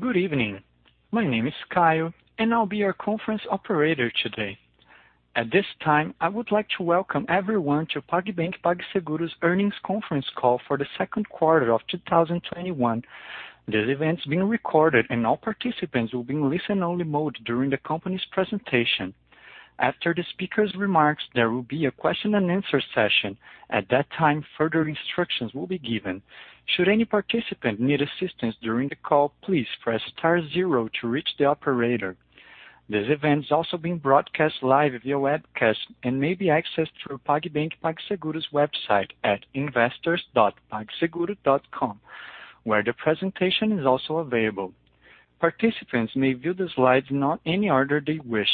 Good evening. My name is Kyle. I'll be your conference operator today. At this time, I would like to welcome everyone to PagBank PagSeguro's Earnings Conference Call for the second quarter of 2021. This event is being recorded, and all participants will be in listen-only mode during the company's presentation. After the speaker's remarks, there will be a question-and-answer session. At that time, further instructions will be given. Should any participant need assistance during the call, please press star zero to reach the operator. This event is also being broadcast live via webcast, and may be accessed through PagBank PagSeguro's website. At investors.pagseguro.com, where the presentation is also available. Participants may view the slides in any order they wish.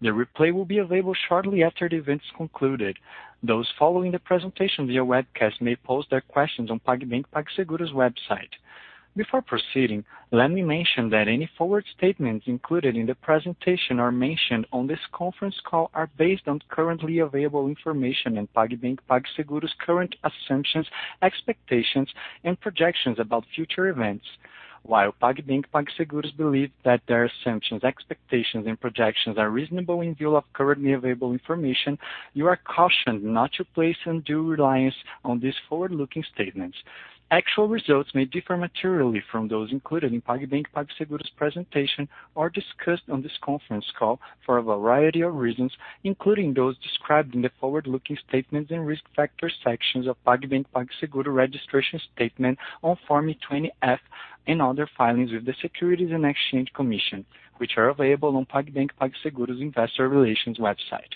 The replay will be available shortly, after the event's concluded. Those following the presentation via webcast, may pose their questions on PagBank PagSeguro's website. Before proceeding, let me mention that any forward statements. Included in the presentation or mentioned on this conference call. Are based on currently available information in PagBank PagSeguro's current assumptions, expectations, and projections about future events. While PagBank PagSeguro believes that their assumptions, expectations, and projections. Are reasonable in view of currently available information. You are cautioned, not to place undue reliance on these forward-looking statements. Actual results may differ materially, from those included in PagBank PagSeguro's presentation. Or discussed on this conference call for a variety of reasons. Including those described in the forward-looking statements, and risk factors sections of PagBank PagSeguro registration statement. On Form 20-F, and other filings with the Securities and Exchange Commission. Which are available on PagBank PagSeguro's investor relations website.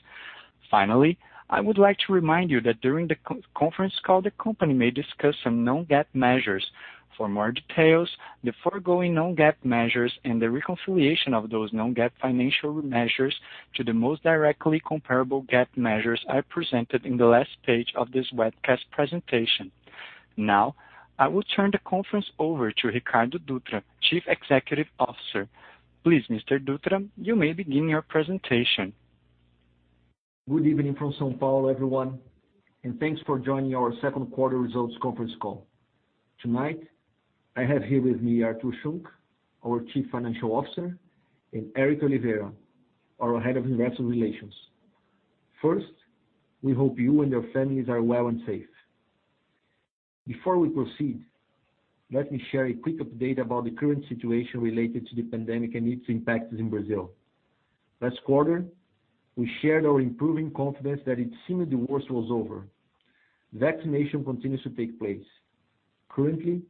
Finally, I would like to remind you that during the conference call. The company may discuss some non-GAAP measures. For more details, the foregoing non-GAAP measures, and the reconciliation of those non-GAAP financial measures. To the most directly comparable GAAP measures, are presented on the last page of this webcast presentation. Now, I will turn the conference over to Ricardo Dutra, Chief Executive Officer. Please, Mr. Dutra, you may begin your presentation. Good evening from São Paulo, everyone. Thanks for joining our second quarter results conference call. Tonight, I have here with me Artur Schunck, our Chief Financial Officer, and Eric Oliveira, our Head of Investor Relations. First, we hope you, and your families are well, and safe. Before we proceed, let me share a quick update. About the current situation related to the pandemic, and its impact in Brazil. Last quarter, we shared our improving confidence that it seemed the worst was over. Vaccination continues to take place. Currently,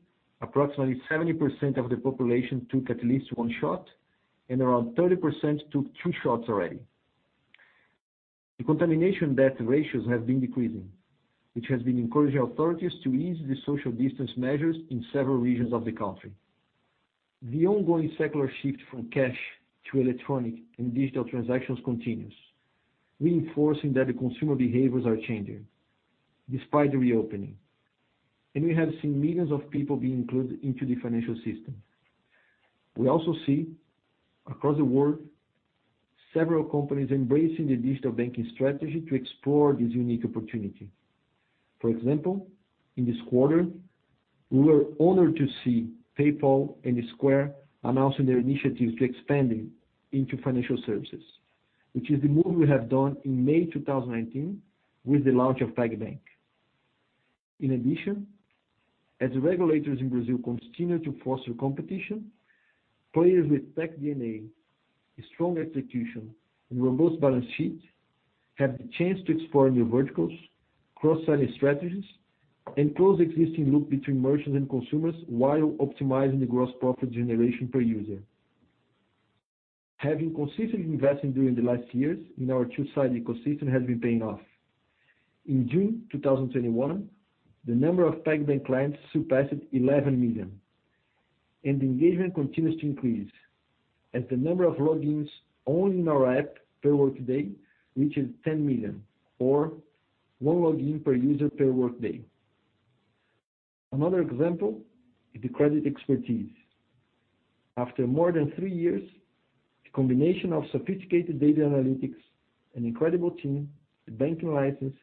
approximately 70% of the population. Took at least one shot, and around 30% took two shots already. The contamination death ratios have been decreasing. Which has been encouraging authorities, to ease the social distance measures, in several regions of the country. The ongoing secular shift from cash to electronic, and digital transactions continues. Reinforcing that the consumer behaviors, are changing despite the reopening. We have seen millions of people, be included into the financial system. We also see, across the world. Several companies embracing the digital banking strategy. To explore this unique opportunity. For example, in this quarter, we were honored to see PayPal, and Square. Announcing their initiatives to expanding into financial services. Which is the move we have done in May 2019, with the launch of PagBank. In addition, as the regulators in Brazil continue to foster competition. Players with tech-DNA, a strong execution, and robust balance sheet. Have the chance to explore new verticals, cross-selling strategies, and close existing loop. Between merchants, and consumers while optimizing the gross profit generation per user. Having consistently invested during the last years, in our two-sided ecosystem has been paying off. In June 2021, the number of PagBank clients surpassed 11 million, and engagement continues to increase. As the number of logins only in our app per workday. Reaches 10 million or one login per user per workday. Another example is the credit expertise. After more than three years, the combination of sophisticated data analytics. An incredible team, a banking license,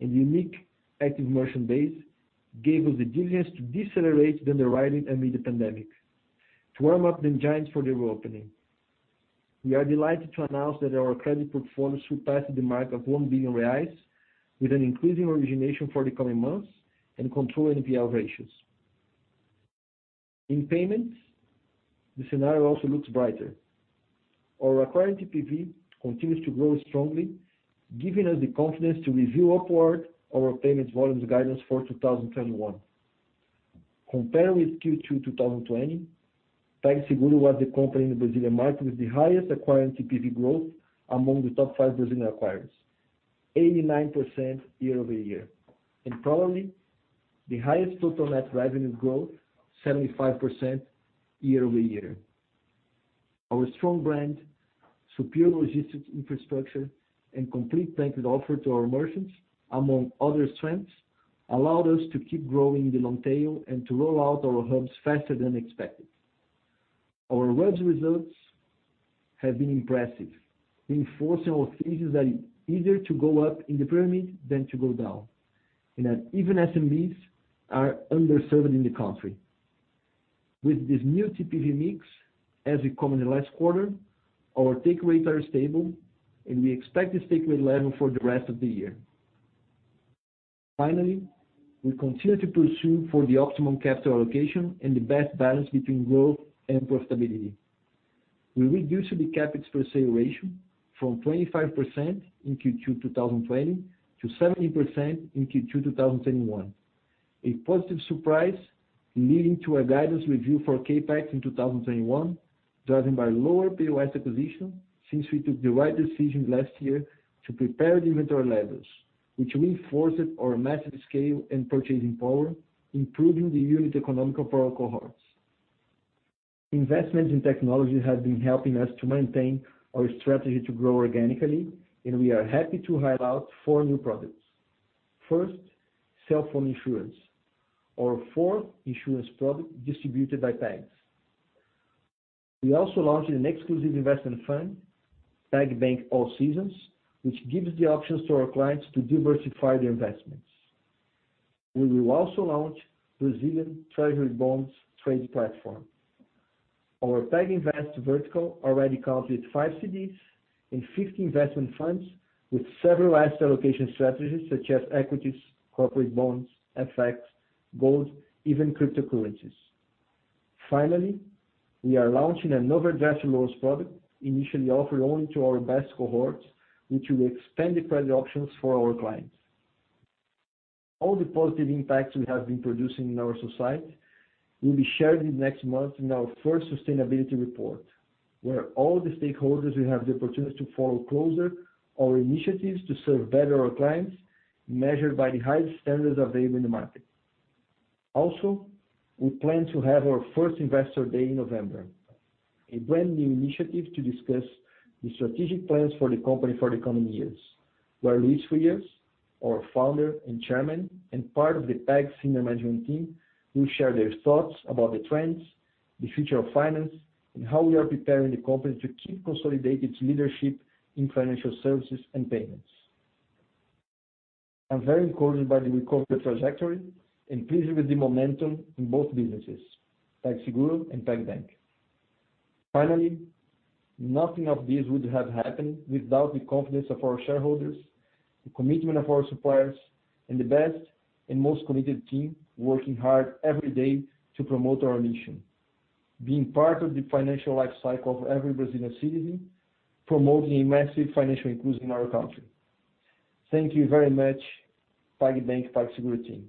and unique active merchant base. Gave us the diligence, to decelerate the underwriting amid the pandemic. To warm up the engines for the reopening. We are delighted to announce, that our credit performance surpassed the mark of 1 billion reais. With an increasing origination for the coming months, and controlling the NPL ratios. In payments, the scenario also looks brighter. Our Acquiring TPV, continues to grow strongly. Giving us the confidence to review upward, our payments volumes guidance for 2021. Compared with Q2 2020, PagSeguro was the company in the Brazilian market. With the highest Acquiring TPV growth, among the top five Brazilian acquirers. 89% year-over-year, and probably the highest total net revenue growth, 75% year-over-year. Our strong brand, superior logistics infrastructure, and complete banking offer to our merchants. Among other strengths, allowed us to keep growing in the long tail, and to roll out our Hubs faster than expected. Our Hubs results have been impressive, reinforcing our thesis. That it's easier to go up in the pyramid, than to go down. And that even SMBs, are underserved in the country. With this new TPV mix, as we commented last quarter. Our take rates are stable, and we expect this take rate level for the rest of the year. Finally, we continue to pursue for the optimum capital allocation, and the best balance between growth and profitability. We reduced the CapEx per sale ratio, from 25% in Q2 2020 to 17% in Q2 2021. A positive surprise, leading to a guidance review for CapEx in 2021. Driven by lower POS acquisition, since we took the right decisions last year. To prepare the inventory levels. Which reinforced our massive scale, and purchasing power. Improving the unit economy of our cohorts. Investments in technology, have been helping us to maintain. Our strategy to grow organically, and we are happy to highlight four new products. First, cell phone insurance, our fourth insurance product distributed by Pag. We also launched an exclusive investment fund, PagBank All Seasons. Which gives the options to our clients, to diversify their investments. We will also launch Brazilian Treasury Bonds trade platform. Our PagInvest vertical already counts with five CDs, and 50 investment funds. With several asset allocation strategies such as equities, corporate bonds, FX, gold, even cryptocurrencies. Finally, we are launching an overdraft loans product. Initially, offered only to our best cohorts. Which will expand the credit options for our clients. All the positive impacts we have been producing in our society. Will be shared next month, in our first sustainability report. Where all the stakeholders, will have the opportunity to follow closer. Our initiatives to serve better our clients, measured by the highest standards available in the market. Also, we plan to have our first Investor Day in November. A brand-new initiative to discuss the strategic plans, for the company for the coming years. Where Luiz Frias, our Founder and Chairman, and part of the Pag senior management team. Will share their thoughts about the trends, the future of finance. And how we are preparing the company to keep consolidating its leadership in financial services, and payments? I'm very encouraged, by the recovery trajectory. And pleased with the momentum, in both businesses PagSeguro and PagBank. Finally, nothing of this would have happened, without the confidence of our shareholders. The commitment of our suppliers, and the best, and most committed team. Working hard every day to promote our mission. Being part of the financial life cycle of every Brazilian citizen. Promoting massive financial inclusion in our country. Thank you very much, PagBank, PagSeguro team.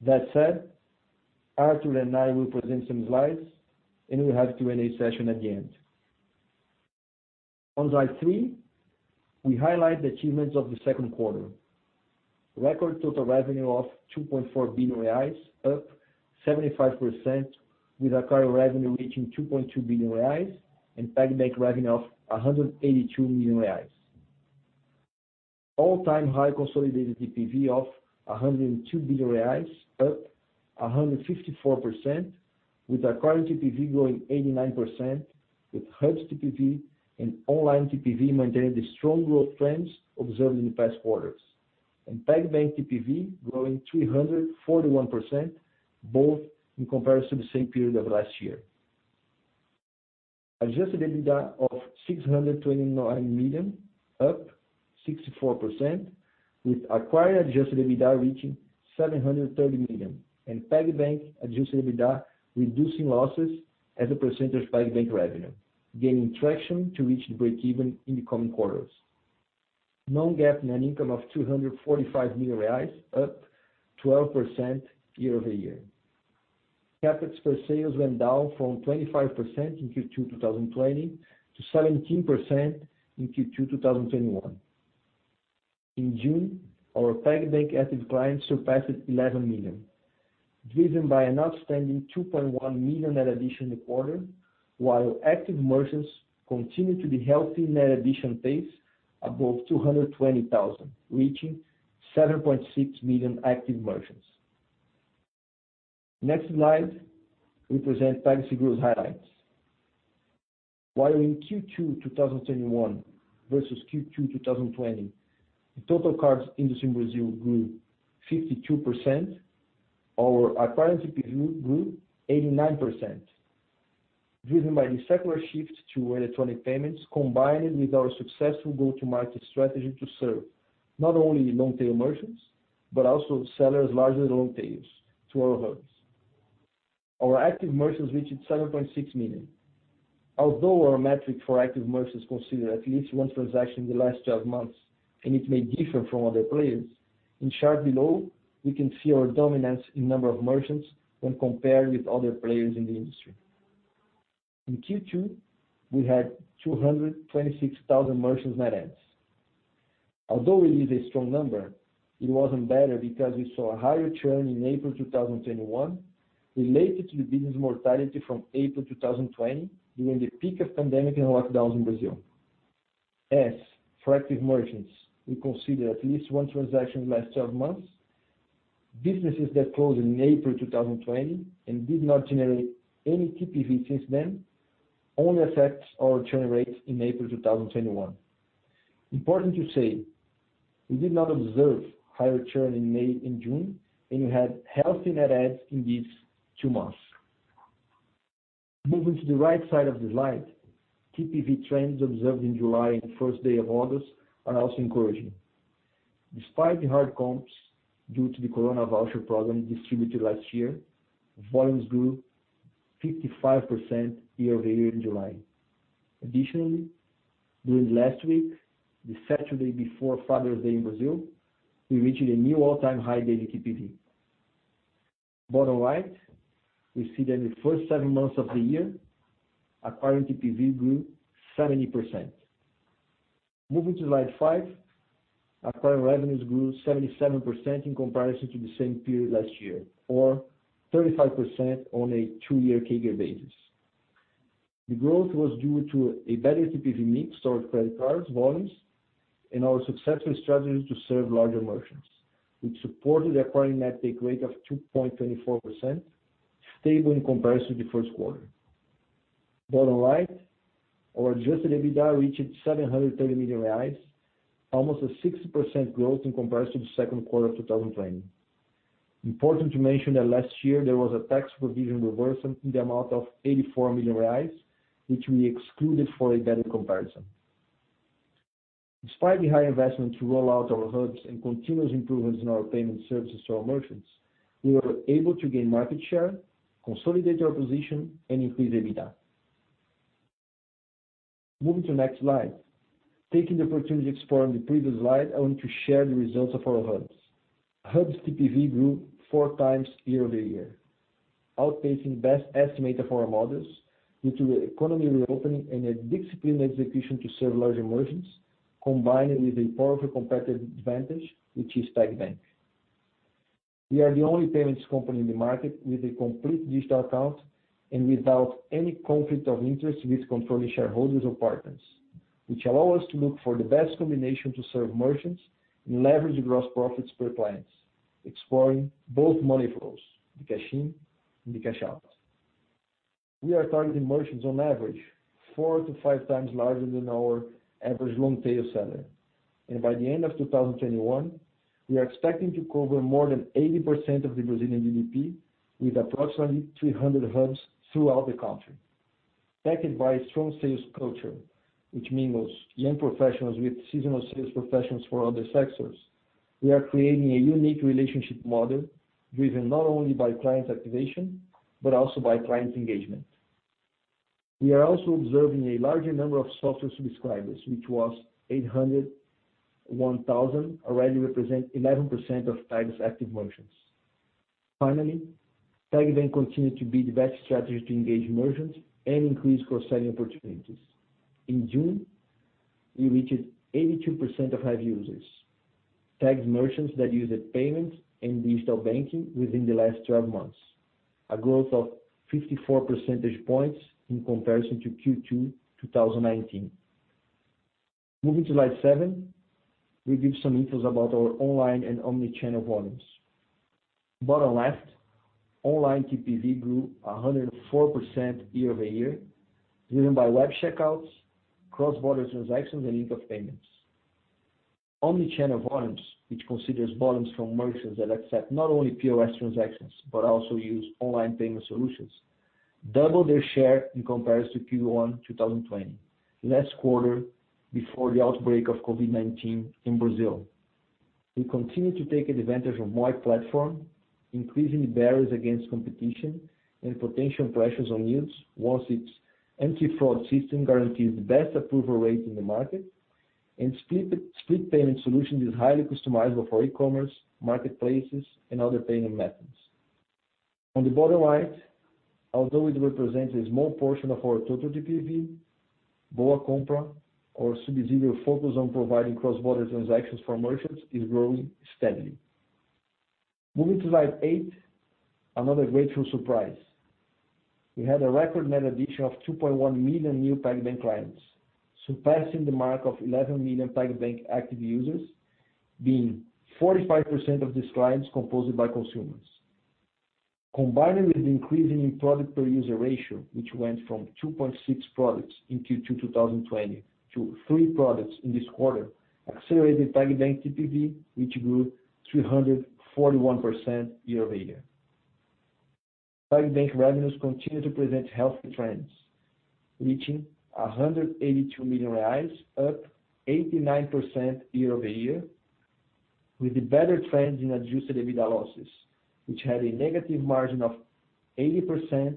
That said, Artur and I will present some slides, and we'll have a Q&A session at the end. On slide three, we highlight the achievements of the second quarter. Record total revenue of 2.4 billion reais, up 75%. With Acquiring revenue reaching 2.2 billion reais, and PagBank revenue of 182 million reais. All-time high consolidated TPV of 102 billion reais. Up 154%, with Acquiring TPV growing 89%. With Hubs TPV, and online TPV maintaining the strong growth trends observed in the past quarters. And PagBank TPV growing 341%, both in comparison to the same period of last year. Adjusted EBITDA of 629 million, up 64%. With Acquiring adjusted EBITDA reaching 730 million. And PagBank adjusted EBITDA reducing losses, as a percentage of PagBank revenue. Gaining traction to reach the break-even, in the coming quarters. Non-GAAP net income of 245 million reais, up 12% year-over-year. CapEx per sales went down from 25% in Q2 2020 to 17% in Q2 2021. In June, our PagBank active clients surpassed 11 million. Driven by an outstanding 2.1 million net addition quarter. While active merchants continued to be healthy net addition pace above 220,000. Reaching 7.6 million active merchants. Next slide, we present PagSeguro's highlights. While in Q2 2021 versus Q2 2020, the total cards industry in Brazil grew 52%. Our Acquiring TPV grew 89%, driven by the secular shift to electronic payments. Combined with our successful go-to-market strategy, to serve not only long-tail merchants. But also, sellers larger than long tails to our Hubs. Our active merchants reached 7.6 million. Although our metric for active merchants, consider at least one transaction in the last 12 months. And it may differ from other players. In chart below, we can see our dominance in number of merchants. When compared with other players in the industry. In Q2, we had 226,000 merchants net adds. It is a strong number, it wasn't better because we saw a higher churn in April 2021. Related to the business mortality from April 2020. During the peak of pandemic, and lockdowns in Brazil. As for active merchants, we consider at least one transaction in the last 12 months. Businesses that closed in April 2020, and did not generate any TPV. Since then, only affect our churn rates in April 2021. Important to say, we did not observe higher churn in May and June. And we had healthy net adds in these two months. Moving to the right side of the slide. TPV trends observed in July, and first day of August are also encouraging. Despite the hard comps, due to the Corona Voucher Program distributed last year. Volumes grew 55% year-over-year in July. Additionally, during last week, the Saturday before Father's Day in Brazil. We reached a new all-time high daily TPV. Bottom right, we see that in the first seven months of the year, Acquiring TPV grew 70%. Moving to slide five, Acquiring revenues grew 77%. In comparison to the same period last year, or 35% on a two-year CAGR basis. The growth was due to a better TPV mix. Toward credit cards volumes, and our successful strategies to serve larger merchants. Which supported Acquiring net take rate of 2.24%, stable in comparison to the first quarter. Bottom right, our adjusted EBITDA reached 730 million reais. Almost a 60% growth, in comparison to the second quarter of 2020. Important to mention that last year, there was a tax provision reversal in the amount of 84 million reais. Which we excluded for a better comparison. Despite the high investment to roll out our Hubs, and continuous improvements in our payment services to our merchants. We were able to gain market share, consolidate our position, and increase EBITDA. Moving to the next slide. Taking the opportunity exploring the previous slide, I want to share the results of our Hubs. Hubs TPV grew 4x year-over-year, outpacing best estimate of our models. Due to the economy reopening, and a disciplined execution to serve larger merchants. Combined with a powerful competitive advantage, which is PagBank. We are the only payments company in the market, with a complete digital account. And without any conflict of interest, with controlling shareholders or partners. Which allow us to look for the best combination. To serve merchants, and leverage gross profits per clients. Exploring both money flows, the cash in, and the cash out. We are targeting merchants on average 4x-5x larger, than our average long-tail seller. By the end of 2021, we are expecting to cover more than 80% of the Brazilian GDP. With approximately, 300 Hubs throughout the country. Backed by a strong sales culture, which means young professionals. With seasonal sales professions for other sectors. We are creating a unique relationship model, driven not only by client activation, but also by client engagement. We are also observing a larger number of software subscribers. Which was 801,000, already, represent 11% of PagBank's active merchants. Finally, PagBank continued to be the best strategy. To engage merchants, and increase cross-selling opportunities. In June, we reached 82% of active users. PagBank's merchants that used payment, and digital banking within the last 12 months. A growth of 54 percentage points in comparison to Q2 2019. Moving to slide seven, we give some infos about our online, and omni-channel volumes. Bottom left, online TPV grew 104% year-over-year. Driven by web checkouts, cross-border transactions, and link of payments. Omni-channel volumes, which considers volumes from merchants. That accept not only POS transactions, but also use online payment solutions. Double their share in comparison to Q1 2020. Last quarter before the outbreak of COVID-19 in Brazil. We continue to take advantage of wide platform. Increasing barriers against competition, and potential pressures on yields. Once its anti-fraud system guarantees, the best approval rate in the market. And split payment solution is highly customizable for e-commerce, marketplaces, and other payment methods. On the bottom right, although it represents a small portion of our total TPV, BoaCompra. Our subsidiary focused on providing cross-border transactions for merchants, is growing steadily. Moving to slide eight, another grateful surprise. We had a record net addition of 2.1 million new PagBank clients. Surpassing the mark of 11 million PagBank active users. Being 45% of these clients composed by consumers. Combined with the increase in product per user ratio, which went from 2.6 products. In Q2 2020 to three products in this quarter. Accelerated PagBank TPV, which grew 341% year-over-year. PagBank revenues continue to present healthy trends. Reaching 182 million reais, up 89% year-over-year, with the better trends in adjusted EBITDA losses. Which had a negative margin of 80%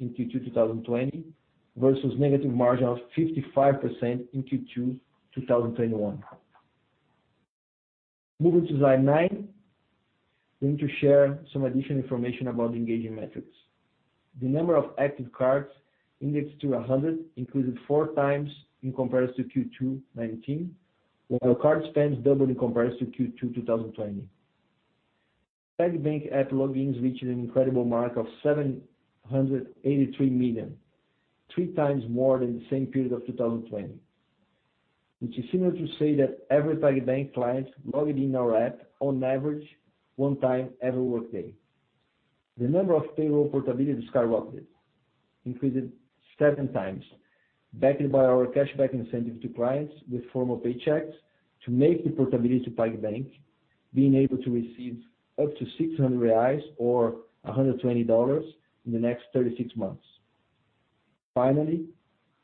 in Q2 2020, versus negative margin of 55% in Q2 2021. Moving to slide nine, going to share some additional information about engaging metrics. The number of active cards indexed, to 100 increased 4x in comparison to Q2 2019. While card spends doubled in comparison to Q2 2020. PagBank app logins reached an incredible mark of 783 million, three times more than the same period of 2020. Which is similar to say that, every PagBank client logged in our app on average one time every workday. The number of payroll portability skyrocketed, increased 7x. Backed by our cashback incentive to clients with formal paychecks. To make the portability to PagBank, being able to receive up to 600 reais, or $120 in the next 36 months. Finally,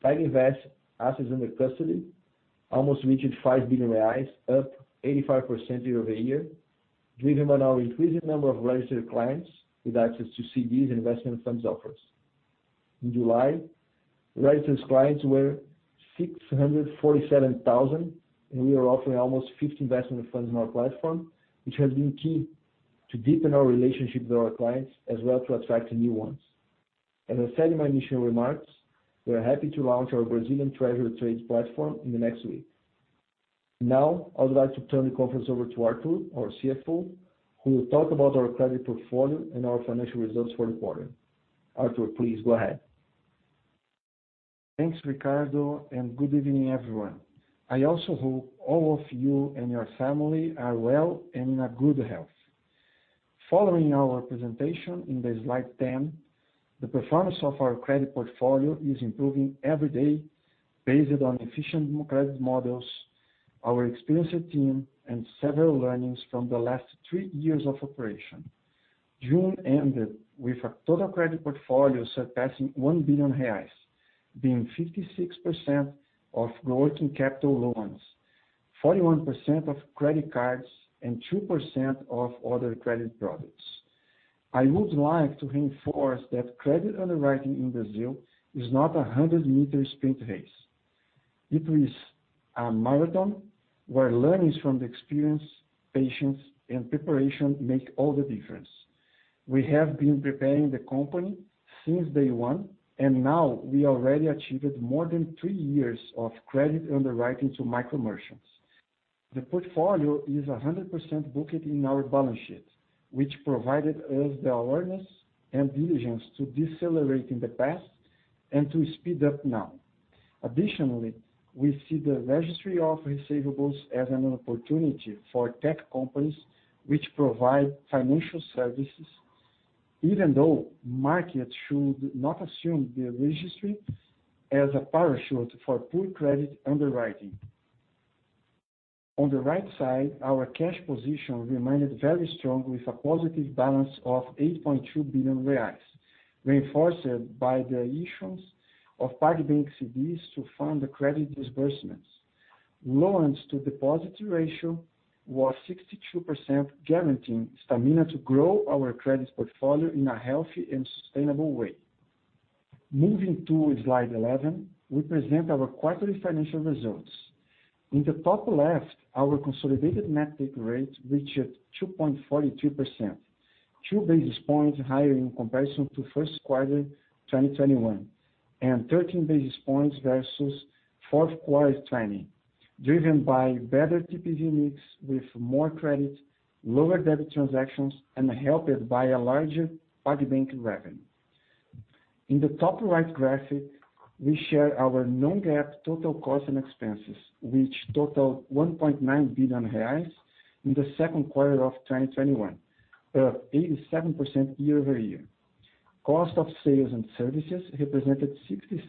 PagInvest Assets under Custody. Almost reached 5 billion reais, up 85% year-over-year. Driven by our increasing number of registered clients. With access to CDs, and investment funds offers. In July, registered clients were 647,000, and we are offering almost 50 investment funds on our platform. Which has been key to deepen our relationship with our clients, as well to attract new ones. As I said in my initial remarks, we're happy to launch our Brazilian Treasury trades platform in the next week. Now, I would like to turn the conference over to Artur, our CFO. Who will talk about our credit portfolio, and our financial results for the quarter. Artur, please go ahead. Thanks, Ricardo. Good evening, everyone. I also hope all of you, and your family are well, and in good health. Following our presentation in slide 10. The performance of our credit portfolio is improving every day. Based on efficient credit models, our experienced team, and several learnings from the last three years of operation. June ended with a total credit portfolio surpassing 1 billion reais. Being 56% of working capital loans, 41% of credit cards, and 2% of other credit products. I would like to reinforce that credit underwriting in Brazil, is not a 100-m sprint race. It is a marathon where learnings from the experience, patience, and preparation make all the difference. We have been preparing the company since day one. And now we already achieved more than three years, of credit underwriting to micro-merchants. The portfolio is 100% booked in our balance sheet. Which provided us the awareness, and diligence to decelerate in the past, and to speed up now. Additionally, we see the registry of receivables. As an opportunity for tech companies, which provide financial services. Even though markets should not assume the registry, as a parachute for poor credit underwriting. On the right side, our cash position remained very strong with a positive balance of 8.2 billion reais. Reinforced by the issuance, of PagBank CDs to fund the credit disbursements. Loans to deposit ratio was 62%, guaranteeing stamina to grow. Our credit portfolio in a healthy, and sustainable way. Moving to slide 11, we present our quarterly financial results. In the top left, our consolidated net take rate reached 2.42%. 2 basis points higher in comparison to first quarter 2021, and 13 basis points versus fourth quarter 2020. Driven by better TPV mix with more credit, lower debit transactions, and helped by a larger PagBank revenue. In the top right graphic, we share our non-GAAP total costs, and expenses. Which totaled 1.9 billion reais in the second quarter of 2021, up 87% year-over-year. Cost of sales, and services represented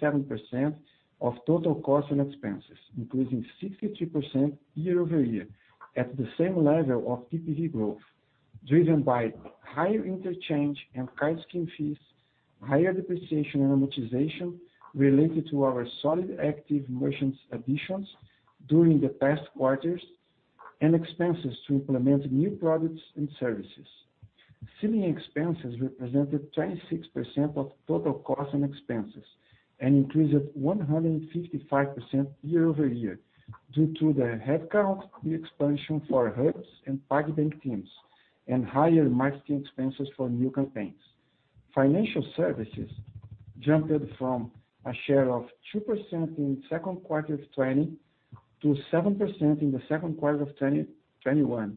67% of total costs and expenses. Increasing 63% year-over-year, at the same level of TPV growth. Driven by higher interchange, and card scheme fees. Higher depreciation, and amortization related to our solid active merchants additions. During the past quarters, and expenses to implement new products, and services. Selling expenses rep, resented 26% of total costs and expenses. And increased 155% year-over-year due to the headcount. The expansion for Hubs, and PagBank teams. And higher marketing expenses for new campaigns. Financial services jumped from a share of 2% in second quarter of 2020, to 7% in the second quarter of 2021.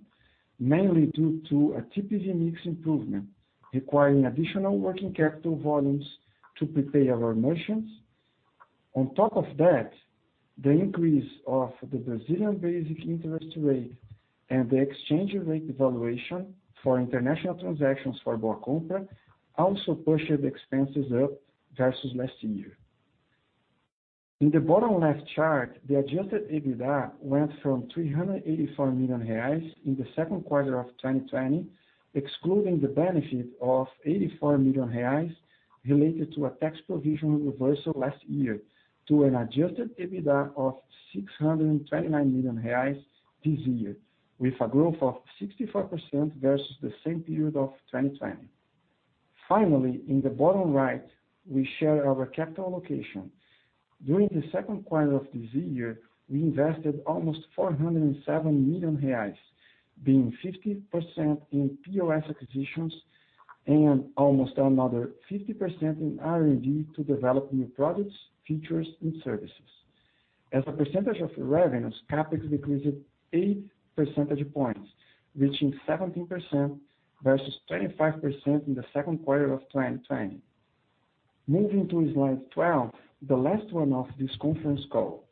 Mainly, due to a TPV mix improvement, requiring additional working capital volumes, to prepare our merchants. On top of that, the increase of the Brazilian basic interest rate, and the exchange rate valuation. For international transactions for BoaCompra, also pushed the expenses up versus last year. In the bottom left chart, the adjusted EBITDA went from 384 million reais, in the second quarter of 2020. Excluding the benefit of 84 million reais, related to a tax provision reversal last year. To an adjusted EBITDA of 629 million reais this year. With a growth of 64% versus the same period of 2020. Finally, in the bottom right, we share our capital allocation. During the second quarter of this year, we invested almost 407 million reais. Being 50% in POS acquisitions, and almost another 50% in R&D. To develop new products, features, and services. As a percentage of revenues, CapEx decreased 80 percentage points. Reaching 17% versus 25% in the second quarter of 2020. Moving to slide 12, the last one of this conference call.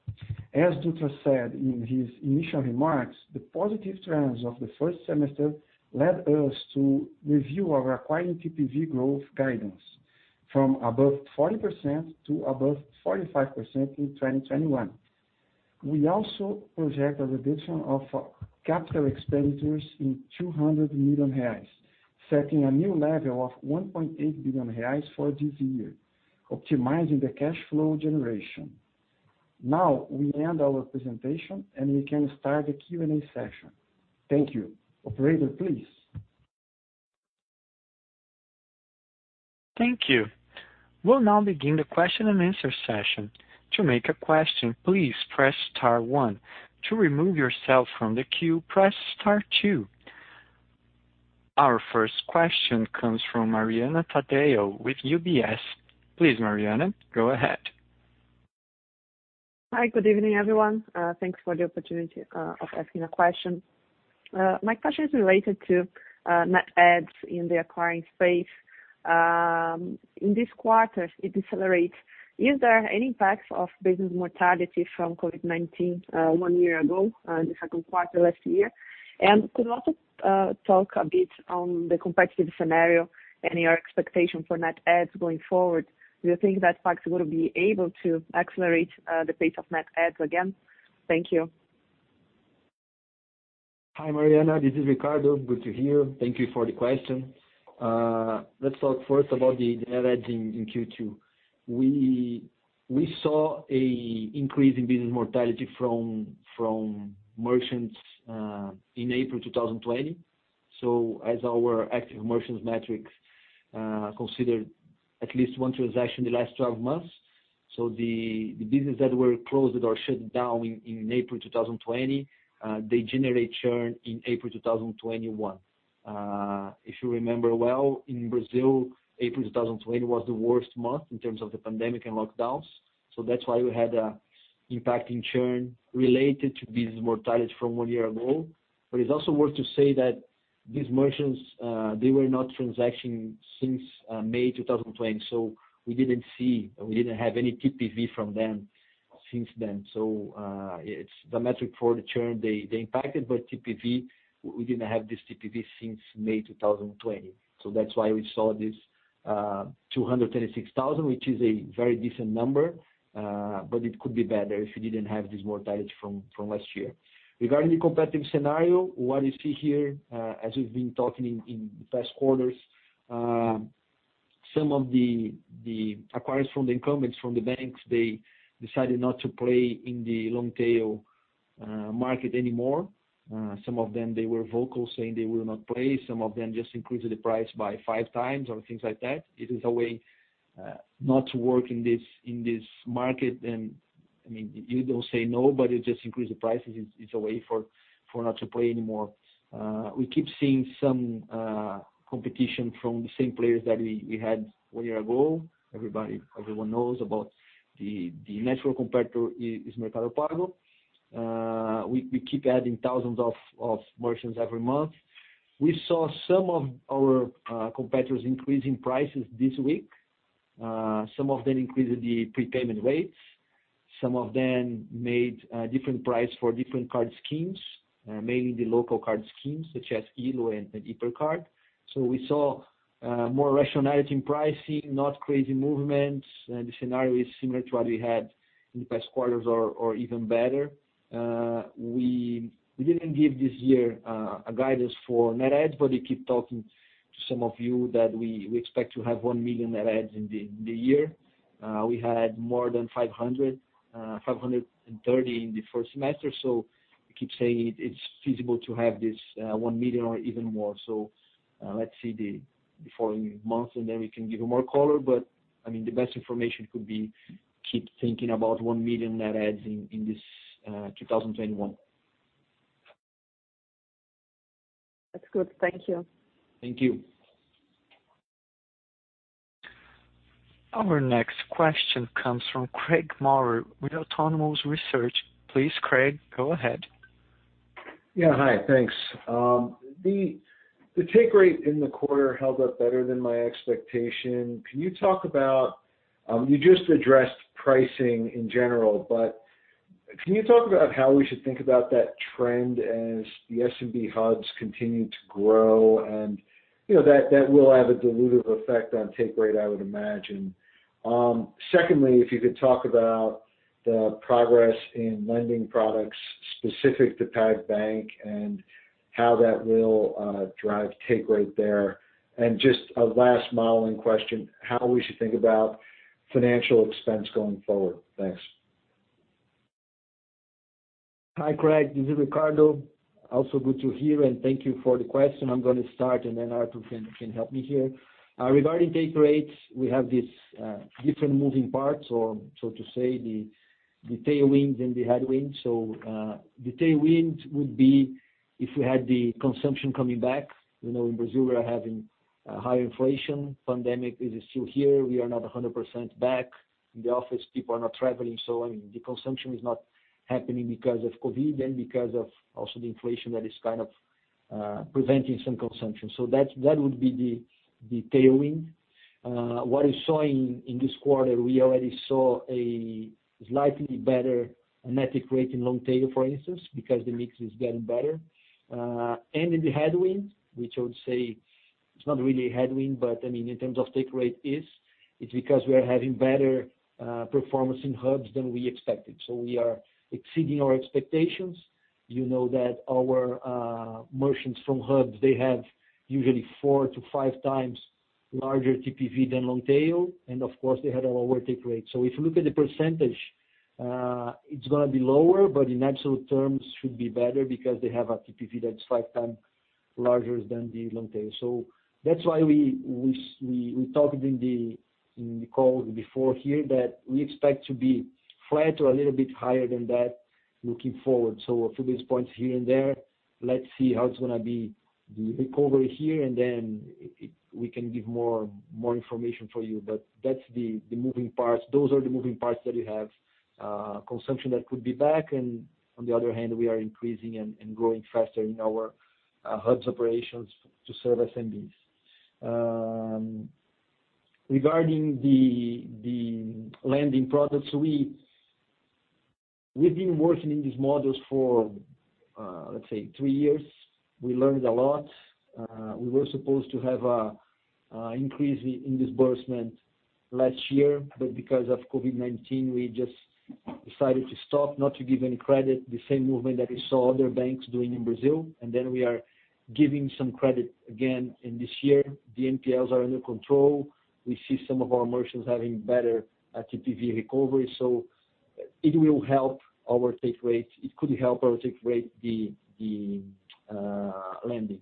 As Dutra said in his initial remarks, the positive trends of the first semester. Led us to review our Acquiring TPV growth guidance. From above 40% to above 45% in 2021. We also project a reduction of, capital expenditures in 200 million reais. Setting a new level of 1.8 billion reais for this year, optimizing the cash flow generation. Now, we end our presentation, and we can start the Q&A session. Thank you. Operator, please. Thank you. We'll now begin the question-and-answer session. To make a question, please press star one. To remove yourself from the queue, press star two. Our first question comes from Mariana Taddeo with UBS. Please, Mariana, go ahead. Hi. Good evening, everyone. Thanks for the opportunity of asking a question. My question is related to net adds in the Acquiring space. In this quarter, it decelerates. Is there any impact of business mortality from COVID-19 one year ago, the second quarter last year? Could you also talk a bit on the competitive scenario, and your expectation for net adds going forward? Do you think that Pag will be able, to accelerate the pace of net adds again? Thank you. Hi, Mariana. This is Ricardo, good to hear. Thank you for the question. Let's talk first about the net adds in Q2. We saw a increase in business mortality, from merchants in April 2020. As our active merchants metrics, considered at least one transaction in the last 12 months. The business that were closed or shut down in April 2020. They generate churn in April 2021. If you remember well, in Brazil, April 2020 was the worst month. In terms of the pandemic, and lockdowns. That's why we had a impact in churn, related to business mortality from one year ago. It's also worth to say that, these merchants they were not transacting since May 2020. We didn't have any TPV from them since then. It's the metric for the churn they impacted, TPV, we didn't have this TPV since May 2020. That's why we saw this 236,000, which is a very decent number. It could be better if you didn't have this mortality from last year. Regarding the competitive scenario, what you see here. As we've been talking in past quarters, some of the acquirers, from the incumbents from the banks. They decided not to play in the long tail market anymore. Some of them, they were vocal saying they will not play. Some of them just increased the price by 5x or things like that. It is a way not to work in this market. You don't say no, but you just increase the prices. It's a way for not to play anymore. We keep seeing some competition, from the same players that we had one year ago. Everyone knows about the natural competitor is Mercado Pago. We keep adding thousands of merchants every month. We saw some of, our competitors increasing prices this week. Some of them increased the prepayment rates. Some of them made a different price for different card schemes. Mainly, the local card schemes such as Elo and Hipercard. We saw more rationality in pricing, not crazy movements. The scenario is similar, to what we had. In the past quarters or even better. We didn't give this year a guidance for net adds, but we keep talking to some of you. That we expect to have 1 million net adds in the year. We had more than 530 in the first semester. We keep saying it's feasible, to have this 1 million or even more. Let's see the following months, and then we can give you more color. The best information could be keep thinking, about 1 million net adds in this 2021. That's good. Thank you. Thank you. Our next question comes from Craig Maurer with Autonomous Research. Please, Craig, go ahead. Yeah. Hi, thanks. The take rate in the quarter, held up better than my expectation. Can you talk about? You just addressed pricing in general, but can you talk about how we should think about that trend? As the SMB Hubs continue to grow, and that that will have a dilutive effect on take rate, I would imagine. Secondly, if you could talk about the progress in lending products. Specific to PagBank, and how that will drive take rate there? Just a last modeling question, how we should think about financial expense going forward? Thanks. Hi, Craig, this is Ricardo. Also good to hear, and thank you for the question. I'm going to start, and then Artur can help me here. Regarding take rates, we have these different moving parts. Or so to say, the tailwinds and the headwinds. The tailwind would be, if we had the consumption coming back. In Brazil, we are having a high inflation. Pandemic is still here. We are not 100% back in the office. People are not traveling. The consumption is not happening, because of COVID-19. And because of also the inflation that is kind of. Preventing some consumption. That would be the tailwind. What you saw in this quarter, we already saw a slightly better net take rate in long tail. For instance, because the mix is getting better. In the headwind, which I would say it's not really a headwind, but in terms of take rate. It's because we are having better, performance in Hubs than we expected. We are exceeding our expectations. You know that our merchants from Hubs, they have usually 4x-5x larger TPV than long tail, and of course they had a lower take rate. If you look at the percentage, it's going to be lower. But in absolute terms should be better, because they have a TPV. That's 5x larger than the long tail. That's why we talked, in the call before here. That we expect to be, flat or a little bit higher than that looking forward. A few basis points here, and there, let's see how it's going to be. The recovery here, and then we can give more information for you. Those are the moving parts that we have. Consumption that could be back and, on the other hand. We are increasing, and growing faster in our Hubs operations, to serve SMBs. Regarding the lending products, we've been working in these models for, let's say, three years. We learned a lot. We were supposed to have, an increase in disbursement last year. But because of COVID-19, we just decided to stop, not to give any credit. The same movement, that we saw other banks doing in Brazil. We are giving some credit again in this year. The NPLs are under control. We see some of our merchants, having better TPV recovery. It will help our take rate. It could help our take rate, the lending.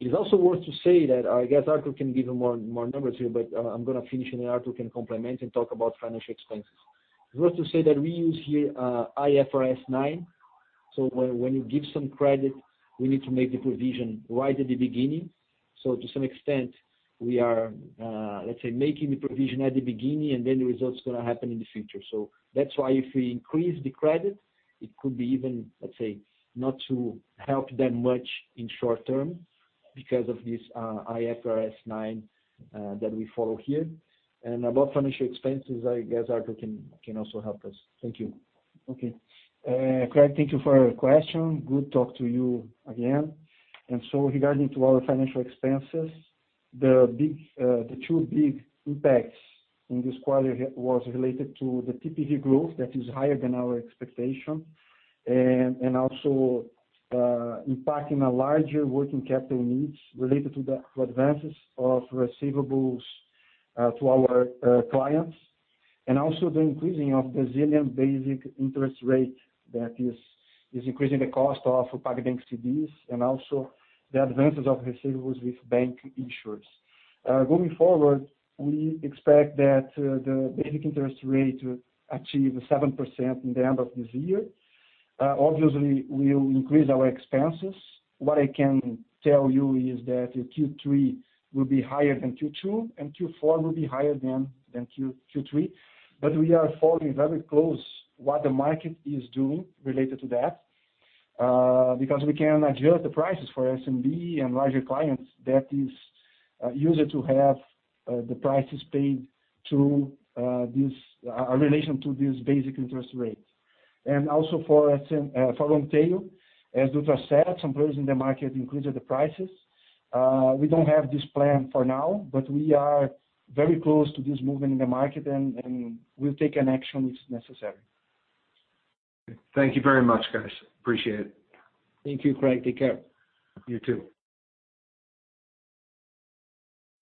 It is also worth to say that, I guess Artur can give more numbers here. But I'm going to finish, and Artur can complement, and talk about financial expenses. Worth to say, that we use here IFRS Nine. So, when you give some credit, we need to make the provision right at the beginning. To some extent, we are, let's say, making the provision. At the beginning, and then the results going to happen in the future. That's why, if we increase the credit. It could be even, let's say, not to help that much in short term. Because of this IFRS Nine, that we follow here. About financial expenses, I guess Artur can also help us. Thank you. Okay. Craig, thank you for your question. Good talk to you again. Regarding to our financial expenses, the two big impacts in this quarter. Was related to the TPV growth, that is higher than our expectation. And also impacting a larger working capital needs, related to the advances, of receivables to our clients. Also, the increasing of Brazilian basic interest rate. That is increasing the cost of PagBank CDs, and also the advances of receivables with bank issuers. Going forward, we expect that the basic interest rate, will achieve 7% in the end of this year. Obviously, we will increase our expenses. What I can tell you is that Q3, will be higher than Q2, and Q4 will be higher than Q3. We are following very close, what the market is doing related to that. Because we can adjust the prices for SMB, and larger clients. That is used to have the prices paid to this, a relation to this basic interest rate. Also for long tail, as Dutra said, some players in the market increased the prices. We don't have this plan for now. But we are very close, to this movement in the market. And we'll take an action if necessary. Thank you very much, guys. Appreciate it. Thank you, Craig. Take care. You too.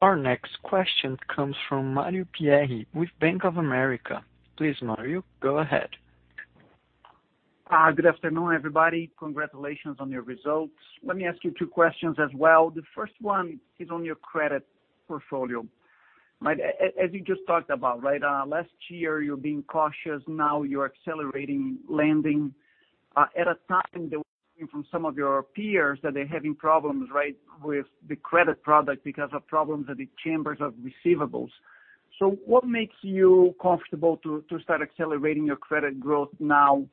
Our next question comes from Mario Pierry with Bank of America. Please, Mario, go ahead. Good afternoon, everybody. Congratulations on your results. Let me ask you two questions as well. The first one is on your credit portfolio. As you just talked about, last year you were being cautious. Now you're accelerating lending, at a time that we're hearing from some of your peers. That they're having problems, with the credit product. Because of problems at the chambers of receivables. What makes you comfortable to start accelerating your credit growth now?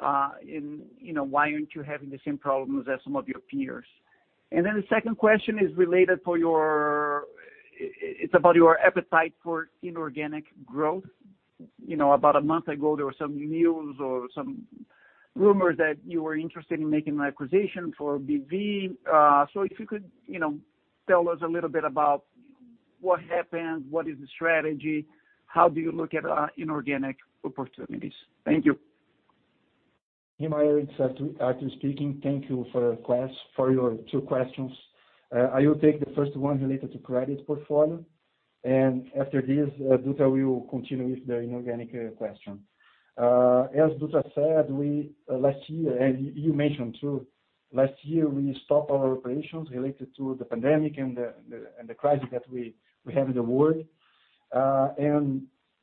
And why aren't you having the same problems as some of your peers? The second question, is about your appetite for inorganic growth. About a month ago, there was some news or some rumors. That you were interested in making an acquisition for BV. If you could, you know, tell us a little bit about. What happened? What is the strategy? How do you look at inorganic opportunities? Thank you. Hey, Mario, it's Artur speaking. Thank you for your two questions. I will take the first one related to credit portfolio. After this, Dutra will continue with the inorganic question. As Dutra said, last year, and you mentioned too. Last year we stopped our operations. Related to the pandemic, and the crisis that we have in the world.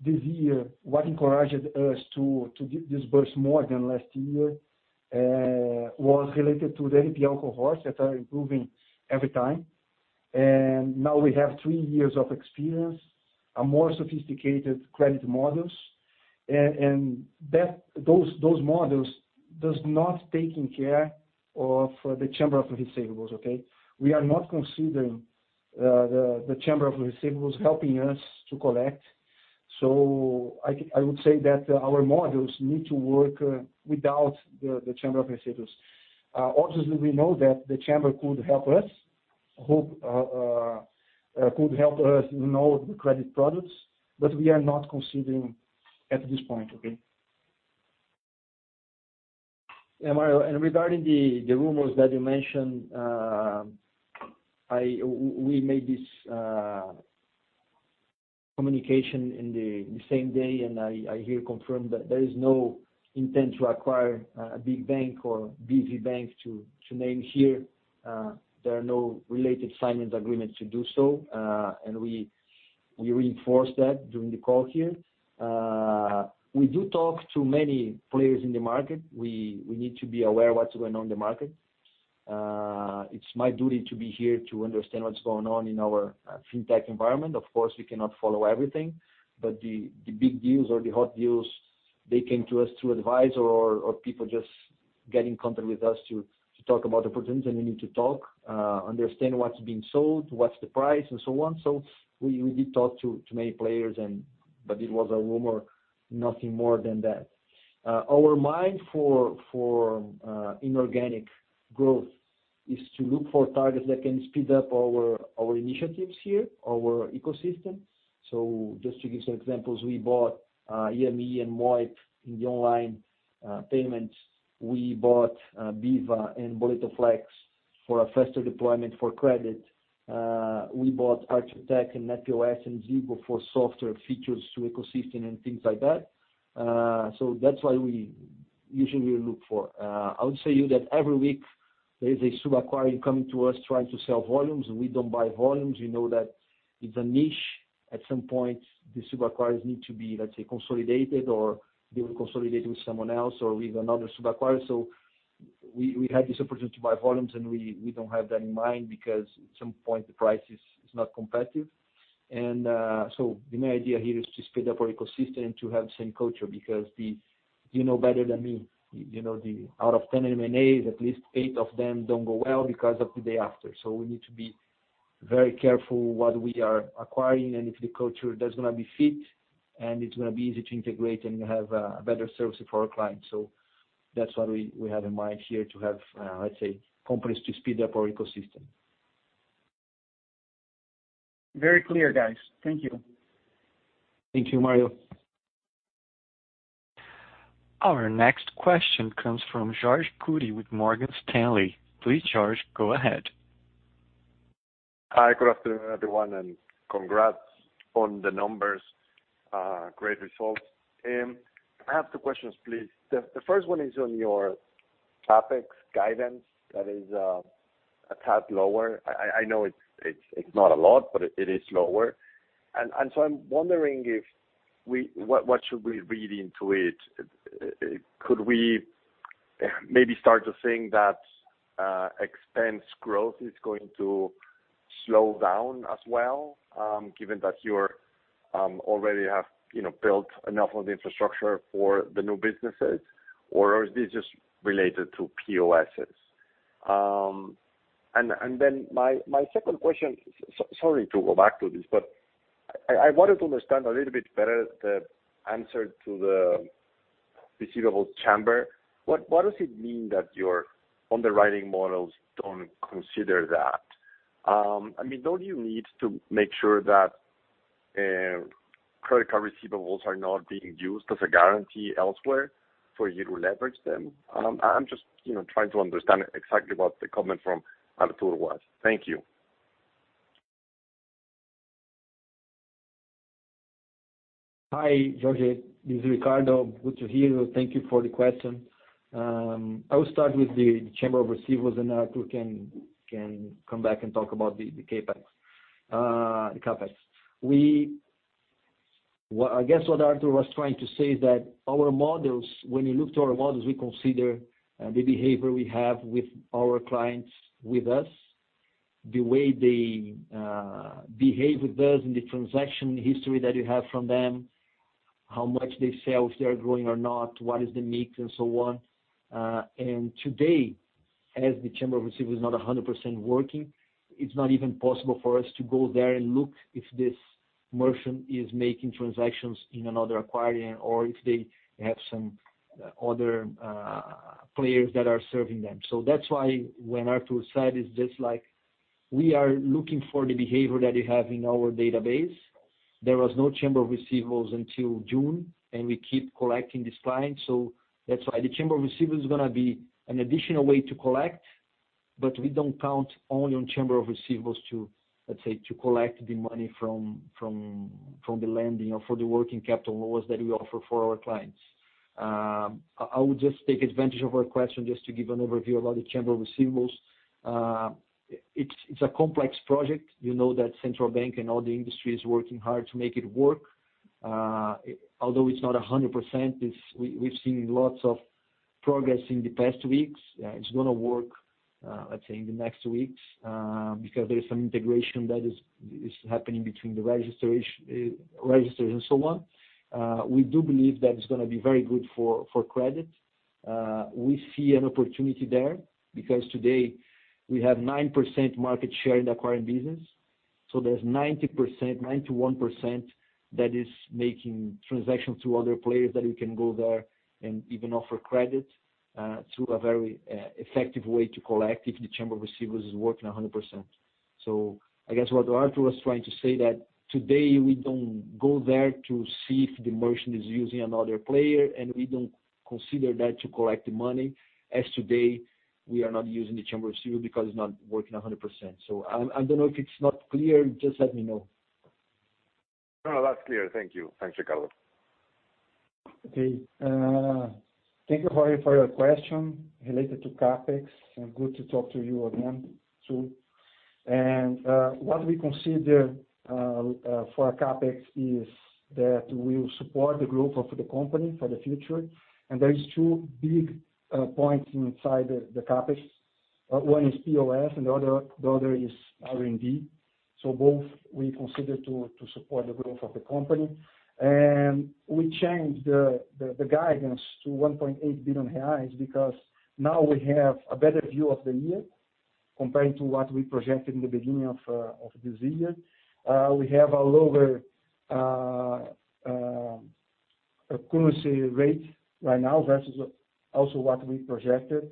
This year, what encouraged us to disburse more than last year. Was related to the NPL cohorts, that are improving every time. Now we have three years of experience, a more sophisticated credit models. Those models does not taking care of the Chamber of Receivables, okay? We are not considering, the Chamber of Receivables helping us to collect. I would say that our models need to work, without the Chamber of Receivables. Obviously, we know that the Chamber could help us, know the credit products. But we are not considering at this point, okay? Mario, regarding the rumors that you mentioned. We made this communication in the same day, I here confirm. That there is no intent to acquire, a big bank or BV bank to name here. There are no related signing agreements to do so. We reinforce that, during the call here. We do talk to many players in the market. We need to be aware of, what's going on in the market? It's my duty to be here to understand, what's going on in our fintech environment? Of course, we cannot follow everything. The big deals or the hot deals. They came to us through advisor or people, just get in contact with us. To talk about opportunities, and we need to talk. Understand what's being sold? What's the price, and so on. We did talk to many players, but it was a rumor nothing more than that. Our mind for inorganic growth is to look for targets. That can speed up our initiatives here, our ecosystem. Just to give some examples, we bought Yamí, and Moip in the online payments. We bought Biva, and BoletoFlex for a faster deployment for credit. We bought R2TECH, and NETPOS, and Zygo for software features. To ecosystem, and things like that. That's why, we usually look for. I would say to you that every week. There is a sub-acquirer coming to us, trying to sell volumes. We don't buy volumes. We know that it's a niche. At some point, the sub-acquirers need to be, let's say, consolidated or they will consolidate. With someone else or with another sub-acquirer. We had this opportunity, to buy volumes. And we don't have that in mind, because at some point the price is not competitive. The main idea here is to speed up our ecosystem, and to have the same culture. Because you know better than me. You know out of 10 M&As, at least eight of them don't go well. Because of the day after. We need to be very careful, what we are Acquiring? And if the culture there's going to be fit, and it's going to be easy to integrate. And have a better services for our clients. That's what we have in mind here. To have let's say companies, to speed up our ecosystem. Very clear, guys. Thank you. Thank you, Mario. Our next question comes from Jorge Kuri with Morgan Stanley. Please, Jorge, go ahead. Hi, good afternoon, everyone, and congrats on the numbers. Great results. I have two questions, please. The first one is on your CapEx guidance, that is a tad lower. I know it's not a lot, but it is lower. I'm wondering if, what should we read into it? Could we maybe start to think, that expense growth is going to slow down as well. Given that you already have built, enough of the infrastructure for the new businesses. Or is this just related to POSs? My second question, sorry to go back to this. But I wanted to understand a little bit better that. The answer to the receivables chamber. What does it mean, that your underwriting models don't consider that? I mean, don't you need to make sure that, credit card receivables are not being used. As a guarantee elsewhere for you to leverage them. I'm just trying to understand exactly, what the comment from Artur was? Thank you. Hi, Jorge. This is Ricardo, good to hear you. Thank you for the question. I will start with the Chamber of Receivables, and Artur can come back, and talk about the CapEx. I guess, what Artur was trying to say is that, our model. When you look to our models, we consider, the behavior we have with our clients with us. The way they behave with us, and the transaction history that you have from them. How much they sell, if they are growing or not? What is the mix, and so on? Today, as the Chamber of Receivables is not 100% working. It's not even possible for us to go there, and look. If this merchant is making transactions, in another acquirer. Or if they have some, other players that are serving them. That's why, when Artur said it's just like? We are looking for the behavior, that you have in our database. There was no Chamber of Receivables until June, and we keep collecting these clients. That's why the Chamber of Receivables is going to be, an additional way to collect. But we don't count only on Chamber of Receivables to, let's say. To collect the money from the lending or for the working capital loans. That we offer for our clients. I would just take advantage of your question. Just to give an overview, about the Chamber of Receivables. It's a complex project. You know that Central Bank, and all the industry is working hard to make it work. Although it's not 100%, we've seen lots of progress in the past weeks. It's going to work, let's say, in the next weeks. Because there is some integration, that is happening between the registrars, and so on. We do believe, that it's going to be very good for credit. We see an opportunity there, because today we have 9% market share in the Acquiring business. There's 90%, 91% that is making transactions. Through other players that we can go there, and even offer credit. Through a very effective way, to collect if the Chamber of Receivables is working 100%. I guess, what Artur was trying to say that? Today, we don't go there to see if the merchant is using another player. And we don't consider, that to collect the money. As today, we are not using the Chamber of receivables, because it's not working 100%. I don't know if it's not clear, just let me know. No, that's clear. Thank you. Thanks, Ricardo. Okay. Thank you, Jorge, for your question. Related to CapEx, and good to talk to you again too. What we consider for our CapEx? Is that, we will support the growth of the company for the future. There is two big points inside the CapEx. One is POS, and the other is R&D. Both we consider to support the growth of the company. We changed the guidance to 1.8 billion reais, because now we have a better view of the year. Compared to, what we projected in the beginning of this year? We have a lower currency rate right now, versus also what we projected.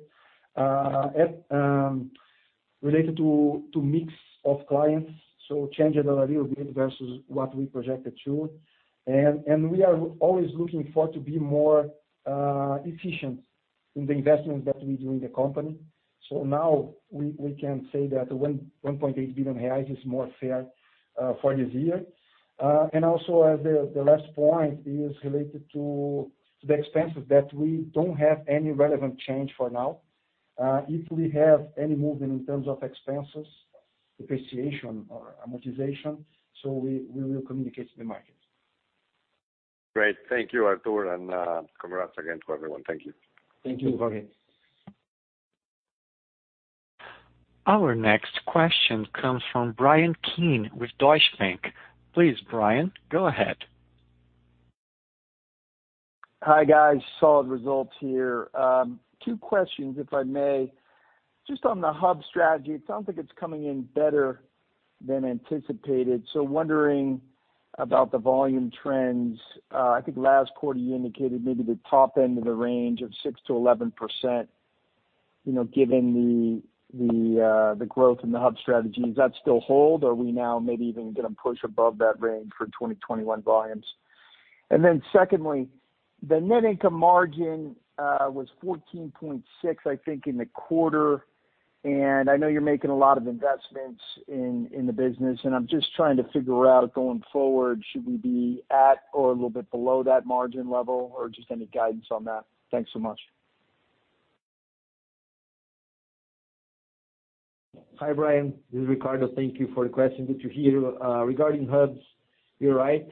Related to mix of clients, changes are a little bit versus, what we projected too? We are always looking forward to be more, efficient in the investments that we do in the company. Now we can say, that 1.8 billion reais is more fair for this year. Also, as the last point is related to the expenses. That we don't have any relevant change for now. If we have any movement in terms of expenses, depreciation, or amortization. We will communicate to the market. Great. Thank you, Artur, and congrats again to everyone. Thank you. Thank you, Jorge. Our next question comes from Bryan Keane with Deutsche Bank. Please, Bryan, go ahead. Hi, guys. Solid results here. Two questions, if I may. On the Hub strategy, it sounds like it's coming in better than anticipated. Wondering about the volume trends. I think last quarter you indicated, maybe the top end of the range of 6%-11%. Given the growth in the Hub strategy. Does that still hold? Are we now maybe even going to push, above that range for 2021 volumes? Secondly, the net income margin was 14.6% I think in the quarter. I know you're making a lot of investments in the business. I'm trying to figure out going forward. Should we be at, or a little bit below that margin level or any guidance on that? Thanks so much. Hi, Bryan, this is Ricardo. Thank you for the question. Good to hear you. Regarding Hubs, you're right.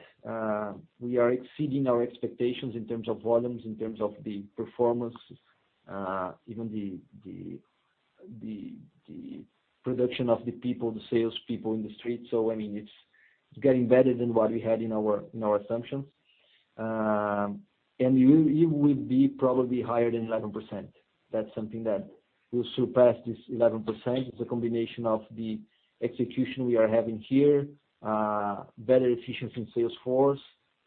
We are exceeding our expectations in terms of volumes. In terms of the performance, even the production of the people, the salespeople in the street. It's getting better, than what we had in our assumptions. It will be probably higher than 11%. That's something that will surpass this 11%. It's a combination of the execution we are having here. Better efficiency in sales force,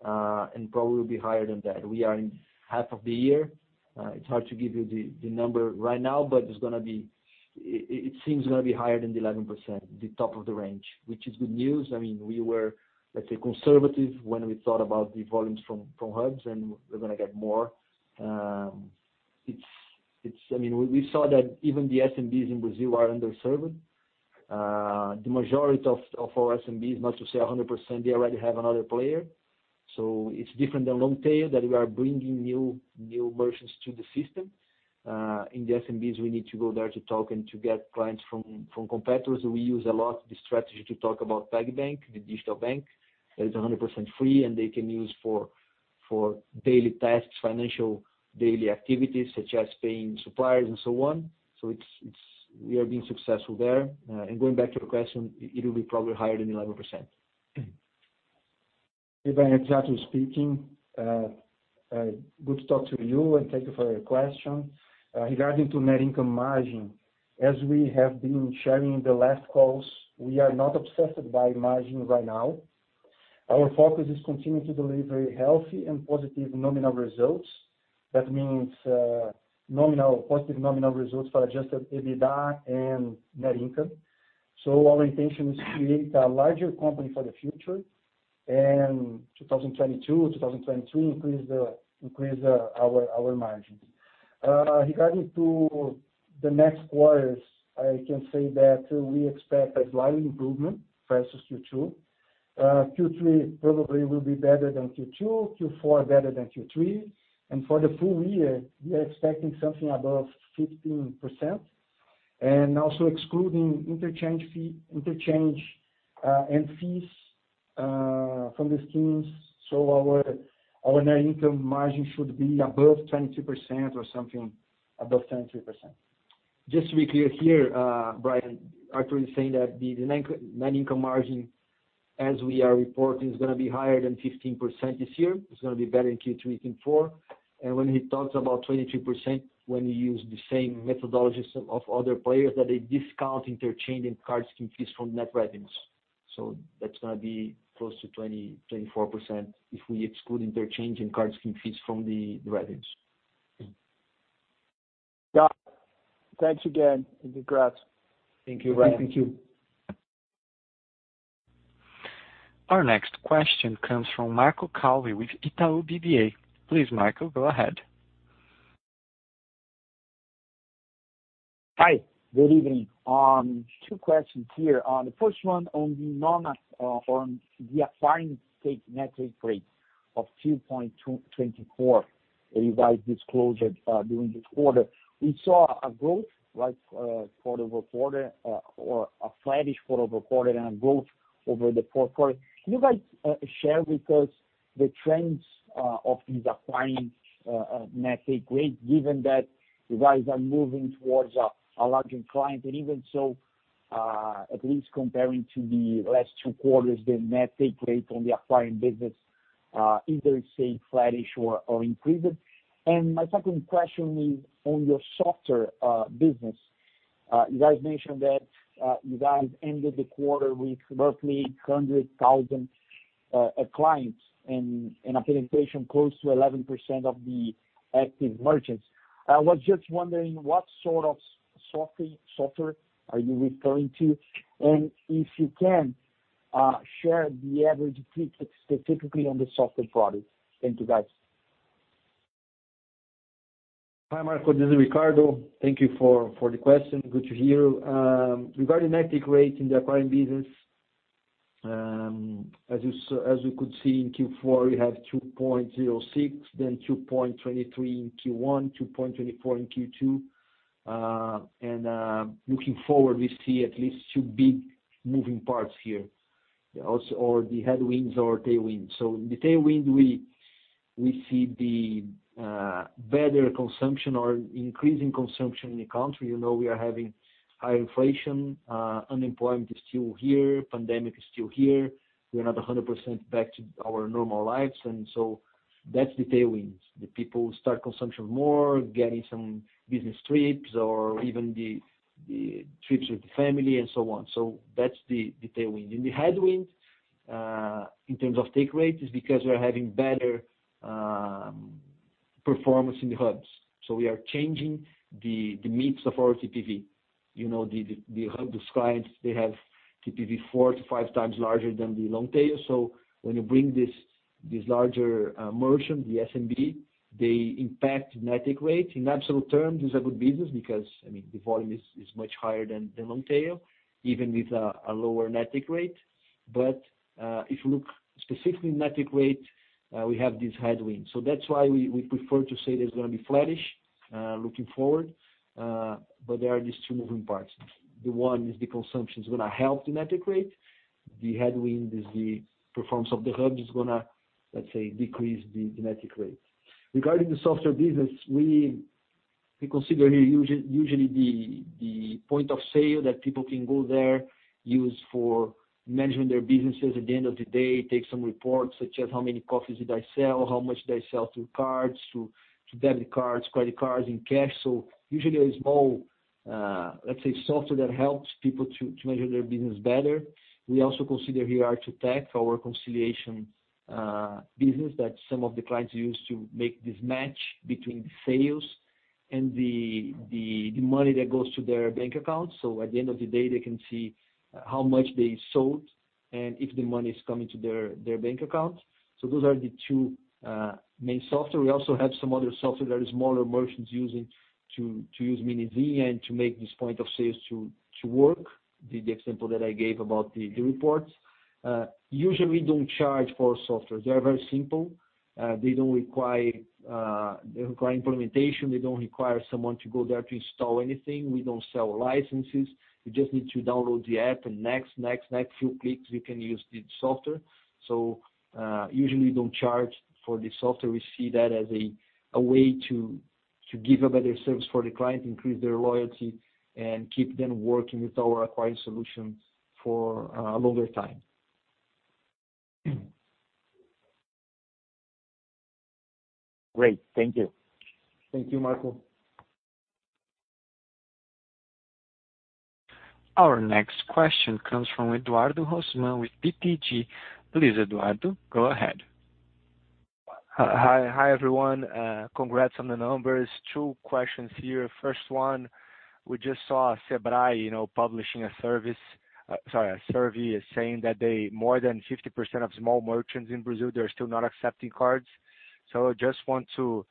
and probably will be higher than that. We are in half of the year. It's hard to give you the number right now, but it seems going to be higher than the 11%. The top of the range, which is good news. We were, let's say, conservative when we thought about the volumes from Hubs, and we're going to get more. We saw that even the SMBs in Brazil are underserved. The majority of our SMBs, not to say 100%, they already have another player. It's different than long tail, that we are bringing new merchants to the system. In the SMBs, we need to go there to talk, and to get clients from competitors. We use a lot the strategy to talk about PagBank. The digital bank, that is 100% free. And they can use for daily tasks, financial daily activities. Such as paying suppliers, and so on. We are being successful there. Going back to your question, it will be probably higher than 11%. Hi Bryan, Artur speaking. Good to talk to you, and thank you for your question. Regarding to net income margin, as we have been sharing in the last calls. We are not obsessed by margin right now. Our focus is continuing to deliver healthy, and positive nominal results. That means positive nominal results for adjusted EBITDA, and net income. Our intention is to create a larger company for the future, and 2022, 2023 increase our margins. Regarding to the next quarters, I can say that. We expect a slight improvement versus Q2. Q3 probably will be better than Q2, Q4 better than Q3. And for the full year, we are expecting something above 15%. Also excluding interchange, and fees from the schemes. Our net income margin should be above 23%, or something above 23%. Just to be clear here, Bryan, Artur is saying that the net income margin. As we are reporting, is going to be higher than 15% this year. It's going to be better in Q3, Q4. When he talks about 23%, when you use the same methodologies of other players? That they discount interchange, and card scheme fees from net revenues. That's going to be close to 20%-24%. If we exclude interchange, and card scheme fees from the revenues. Got it. Thanks again, and congrats. Thank you, Bryan. Thank you. Our next question comes from Marco Calvi with Itaú BBA. Please, Marco, go ahead. Hi, good evening. Two questions here. The first one on the Acquiring's net take rate of 2.24%, that you guys disclosed during this quarter. We saw a growth quarter-over-quarter. Or a flattish quarter-over-quarter, and a growth over the fourth quarter. Can you guys share with us, the trends of this Acquiring net take rate. Given that you guys are moving towards a larger client, and even so. At least comparing to the last two quarters, the net take rate on the Acquiring business. Either stayed flattish or increased? My second question is on your software business. You guys mentioned that, you guys ended the quarter with roughly 100,000 clients. And a penetration close to 11% of the active merchants. I was just wondering, what sort of software are you referring to? And if you can, share the average ticket specifically on the software product. Thank you, guys. Hi, Marco, this is Ricardo. Thank you for the question. Good to hear you. Regarding net take rate in the Acquiring business. As you could see in Q4, we have 2.06%, then 2.23% in Q1, 2.24% in Q2. Looking forward, we see at least two big moving parts here, or the headwinds or tailwinds. The tailwind, we see the better consumption. Or increasing consumption in the country. You know we are having high inflation. Unemployment is still here. Pandemic is still here. We're not 100% back to our normal lives, that's the tailwinds. The people start consumption more, getting some business trips. Or even the trips with the family, and so on. That's the tailwind. In the headwind, in terms of take rate, is because we're having better performance in the Hubs. We are changing the mix of our TPV. The Hub describes, they have TPV 4x-5x larger than the long tail. When you bring this larger merchant, the SMB, they impact net take rate. In absolute terms, it's a good business. Because the volume is much higher, than the long tail. Even with a lower net take rate. If you look specifically, net take rate, we have this headwind. That's why, we prefer to say that it's going to be flattish looking forward. There are these two moving parts. The one is the consumption is going to help the net take rate. The headwind is the performance of the Hub is going to, let's say, decrease the net take rate. Regarding the software business, we consider here usually the point-of-sale. That people can go there, use for managing their businesses at the end of the day. Take some reports, such as how many coffees did I sell? How much they sell through cards? Through debit cards, credit cards, and cash. Usually a small, let's say, software that helps people to manage their businesses better. We also consider here R2TECH, our reconciliation business. That some of the clients use to make this match. Between the sales, and the money that goes to their bank accounts. At the end of the day, they can see. How much they sold, and if the money is coming to their bank account? Those are the two main software. We also have some other software, that smaller merchants using Minizinha. And to make this point-of-sale to work, the example that I gave about the reports. Usually, we don't charge for software. They're very simple. They don't require implementation. They don't require someone, to go there to install anything. We don't sell licenses. You just need to download the app, and next, next, few clicks, you can use the software. Usually, we don't charge for the software. We see that as a way, to give a better service for the client. Increase their loyalty, and keep them working with our Acquiring solution for a longer time. Great. Thank you. Thank you, Marco. Our next question comes from Eduardo Rosman with BTG. Please, Eduardo, go ahead. Hi, everyone. Congrats on the numbers. Two questions here. We just saw SEBRAE publishing a survey, saying that. More than 50% of small merchants in Brazil, they're still not accepting cards. Just want to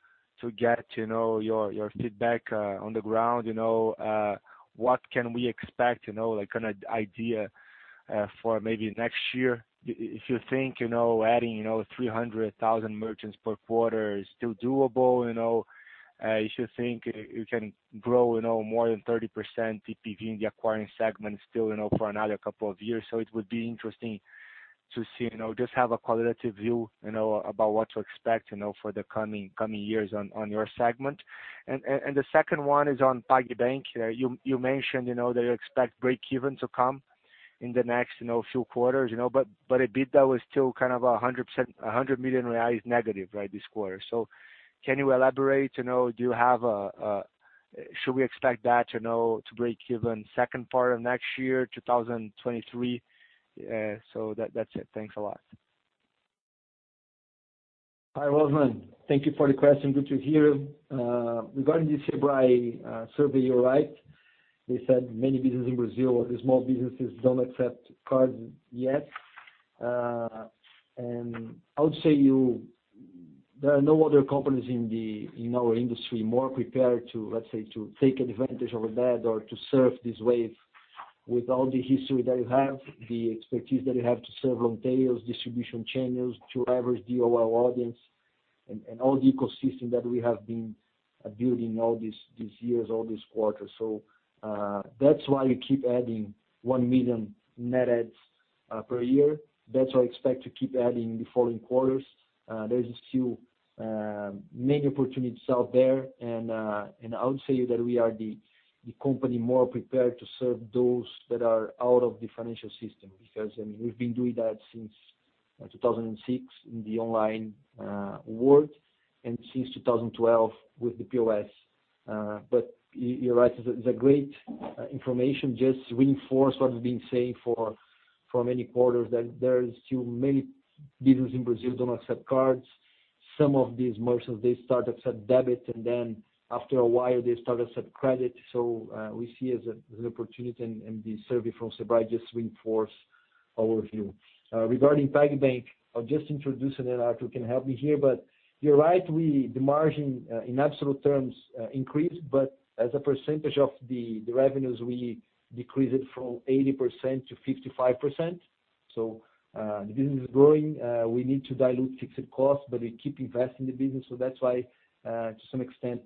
get your feedback on the ground. What can we expect, like an idea for maybe next year? If you think adding 300,000 merchants per quarter is still doable. If you think, you can grow more than 30% TPV. In the Acquiring segment still for another couple of years. It would be interesting to see, and just have a qualitative view. About what to expect for the coming years on your segment? The second one is on PagBank. You mentioned, that you expect breakeven to come in the next few quarters. EBITDA was still kind of 100 million reais negative this quarter. Can you elaborate? You have a, should we expect that, you know. To break even the second part of next year, 2023? That's it. Thanks a lot. Hi, Rosman. Thank you for the question. Good to hear. Regarding the SEBRAE survey, you're right. They said many businesses in Brazil, the small businesses don't accept cards yet. I would say, there are no other companies in our industry more prepared to. Let's say, to take advantage of that or to surf this wave. With all the history, that you have. The expertise that you have to serve long tails. Distribution channels to average UOL audience, and all the ecosystem. That we have been building all these years, all these quarters. That's why, we keep adding 1 million net adds per year. That's what I expect to keep adding in the following quarters? There's still many opportunities out there. I would say, that we are the company more prepared to serve those. That are out of the financial system. We've been doing that, since 2006 in the online world. And since 2012 with the POS. You're right, it's a great information. Just reinforce, what we've been saying for many quarters? That there's still many businesses in Brazil, that don't accept cards. Some of these merchants, they start accept debit, and then. After a while, they start accept credit. We see it as an opportunity, and the survey from SEBRAE just reinforce our view. Regarding PagBank, I'll just introduce, and Artur can help me here. But you're right, the margin in absolute terms increased. But, as a percentage of the revenues, we decreased it from 80% to 55%. The business is growing. We need to dilute fixed costs, we keep investing in the business. That's why to some extent,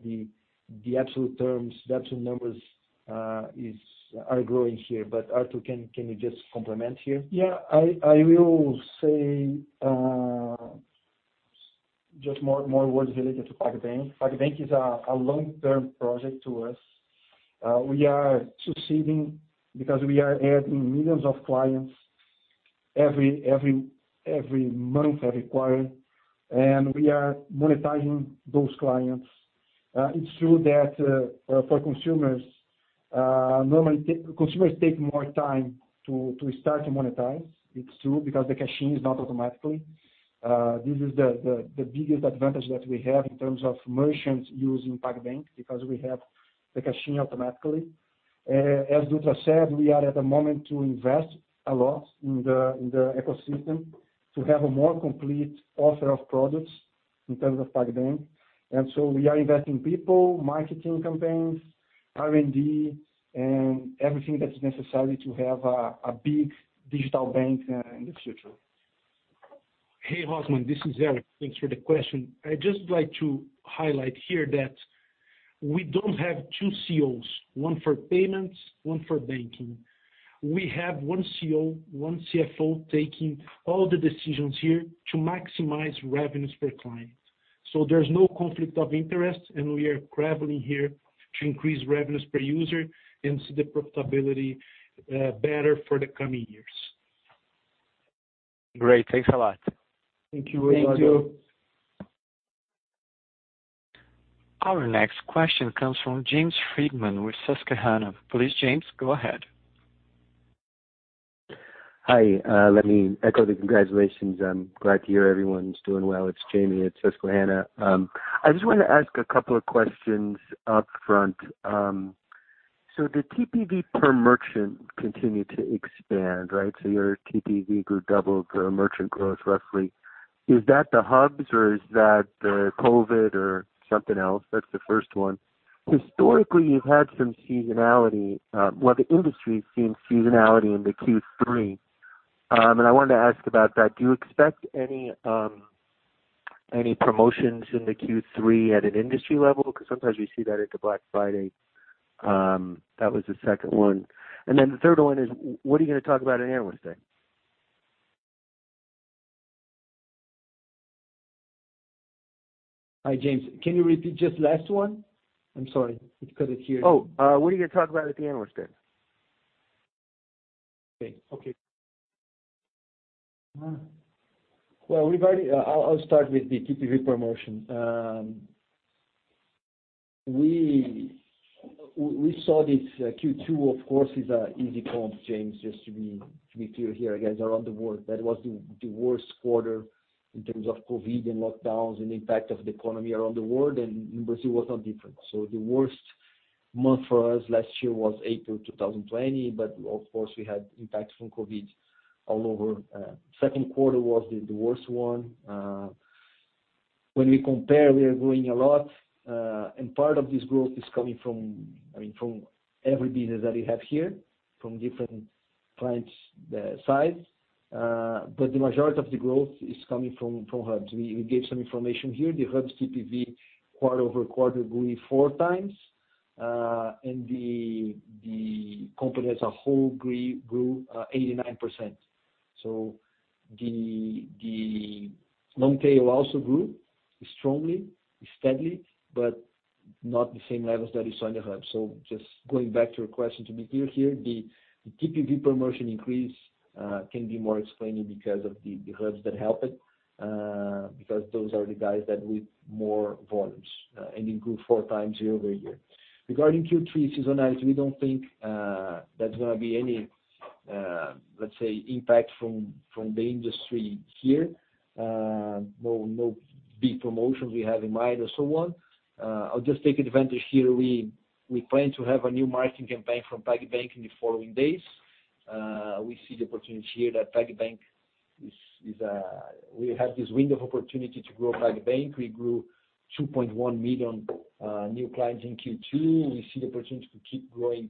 the absolute terms. The absolute numbers are growing here. Artur, can you just complement here? I will say, just more words related to PagBank. PagBank is a long-term project to us. We are succeeding, because we are adding millions of clients every month, every quarter. We are monetizing those clients. It's true that for consumers, normally consumers take more time to start to monetize. It's true, because the cash-in is not automatically. This is the biggest advantage that we have, in terms of merchants using PagBank. Because we have the caching automatically. As Dutra said, we are at the moment to invest a lot in the ecosystem. To have a more complete, offer of products in terms of PagBank. We are investing people, marketing campaigns, R&D, and everything. That's necessary to have a big digital bank in the future. Hey, Rosman, this is Eric. Thanks for the question. I'd just like to highlight here that, we don't have two CEOs. One for payments, one for banking. We have one CEO, one CFO taking all the decisions here. To maximize revenues per client. There's no conflict of interest, and we are traveling here. To increase revenues per user, and see the profitability better for the coming years. Great. Thanks a lot. Thank you, Rosman. Thank you. Our next question comes from James Friedman with Susquehanna. Please, James, go ahead. Hi. Let me echo the congratulations. I'm glad to hear everyone's doing well. It's Jamie at Susquehanna. I just wanted to ask a couple of questions up front. The TPV per merchant continued to expand, right? Your TPV grew double the merchant growth roughly. Is that the Hubs or is that the COVID or something else? That's the first one. Historically, you've had some seasonality. Well, the industry has seen seasonality in the Q3. I wanted to ask about that. Do you expect any promotions, in the Q3 at an industry level? Because sometimes we see that at the Black Friday. That was the second one. The third one is, what are you going to talk about at Analyst Day? Hi, James. Can you repeat just the last one? I'm sorry. It's because. Oh, what are you going to talk, about at the Analyst Day? Okay. Well, regarding, I'll start with the TPV promotion. We saw this Q2, of course, is an easy comp, James. Just to be clear here, guys, around the world. That was the worst quarter in terms of COVID, and lockdowns. And impact of the economy around the world. In Brazil was no different. The worst month for us last year was April 2020. Of course, we had impacts from COVID all over. Second quarter was the worst one. When we compare, we are growing a lot. Part of this growth is coming from every business that we have here, from different clients' size. The majority of the growth is coming from Hubs. We gave some information here. The Hubs TPV quarter-over-quarter grew 4x. The company as a whole grew 89%. The long tail also grew strongly, steadily. But not the same levels, that you saw in the Hub. Just going back to your question to be clear here. The TPV promotion increase, can be more explained. Because of the Hubs that help it. Because those are the guys that with more volumes, and improved 4x year-over-year. Regarding Q3 seasonality, we don't think there's going to be any. Let's say, impact from the industry here. No big promotions we have in mind or so on. I'll just take advantage here. We plan to have a new marketing campaign, from PagBank in the following days. We see the opportunity here, that we have this window of opportunity to grow PagBank. We grew 2.1 million new clients in Q2. We see the opportunity, to keep growing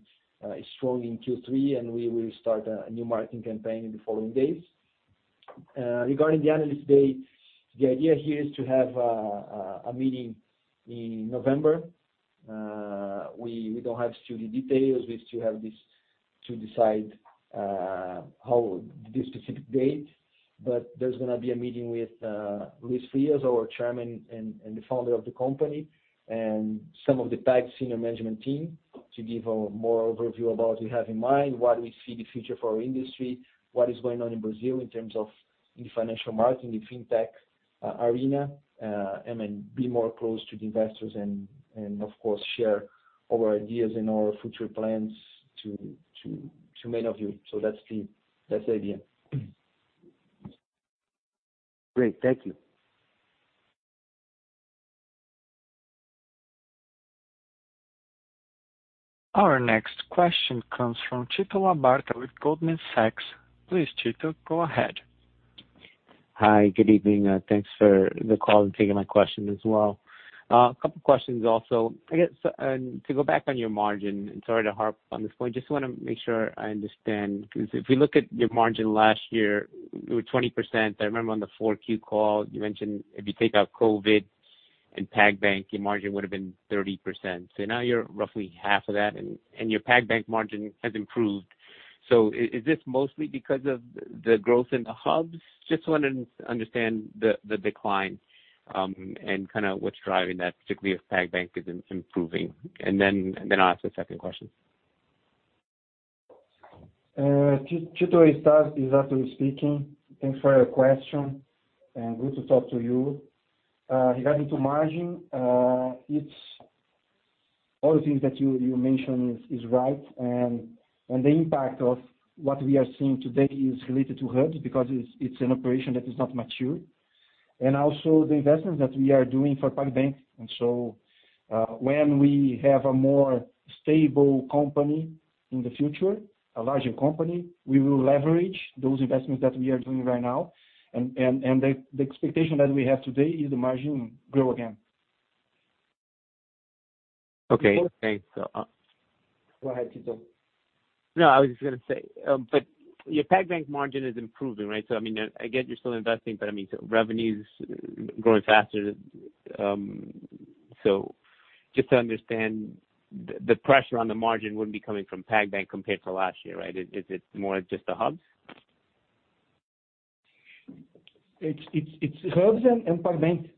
strong in Q3. We will start a new marketing campaign in the following days. Regarding the Analyst Day, the idea here is to have a meeting in November. We don't have still the details. We still have to decide the specific date. There's going to be a meeting with Luiz Frias. Our Chairman, and the Founder of the company, and some of the Pag senior management team. To give a more overview about we have in mind. What we see the future for our industry? What is going on in Brazil in terms of in financial marketing, in Fintech arena. To be more close to the investors, and of course. Share our ideas, and our future plans to many of you. That's the idea. Great. Thank you. Our next question comes from Tito Labarta with Goldman Sachs. Please, Tito, go ahead. Hi. Good evening. Thanks for the call, and taking my question as well. A couple questions also. I guess, to go back on your margin, and sorry to harp on this point. Just want to make sure I understand, because if we look at your margin last year, it was 20%. I remember on the Q4 call, you mentioned if you take out COVID-19, and PagBank, your margin would have been 30%. Now you're roughly half of that, and your PagBank margin has improved. Is this mostly, because of the growth in the Hubs? I just wanted to understand the decline, and kind of what's driving that. Particularly, if PagBank is improving. I'll ask the second question. Tito, it's Artur speaking. Thanks for your question, good to talk to you. Regarding to margin, all the things that you mentioned is right. And the impact of, what we are seeing today is related to Hubs? Because it's an operation that is not mature. Also, the investments that we are doing for PagBank. When we have a more stable company in the future? A larger company, we will leverage those investments. That we are doing right now. The expectation that we have today, is the margin grow again. Okay. Thanks. Go ahead, Tito. No, I was just going to say, but your PagBank margin is improving, right? I get you're still investing, but revenues growing faster. Just to understand, the pressure on the margin. Wouldn't be coming from PagBank compared to last year, right? Is it more just the Hubs? It's Hubs, and PagBank,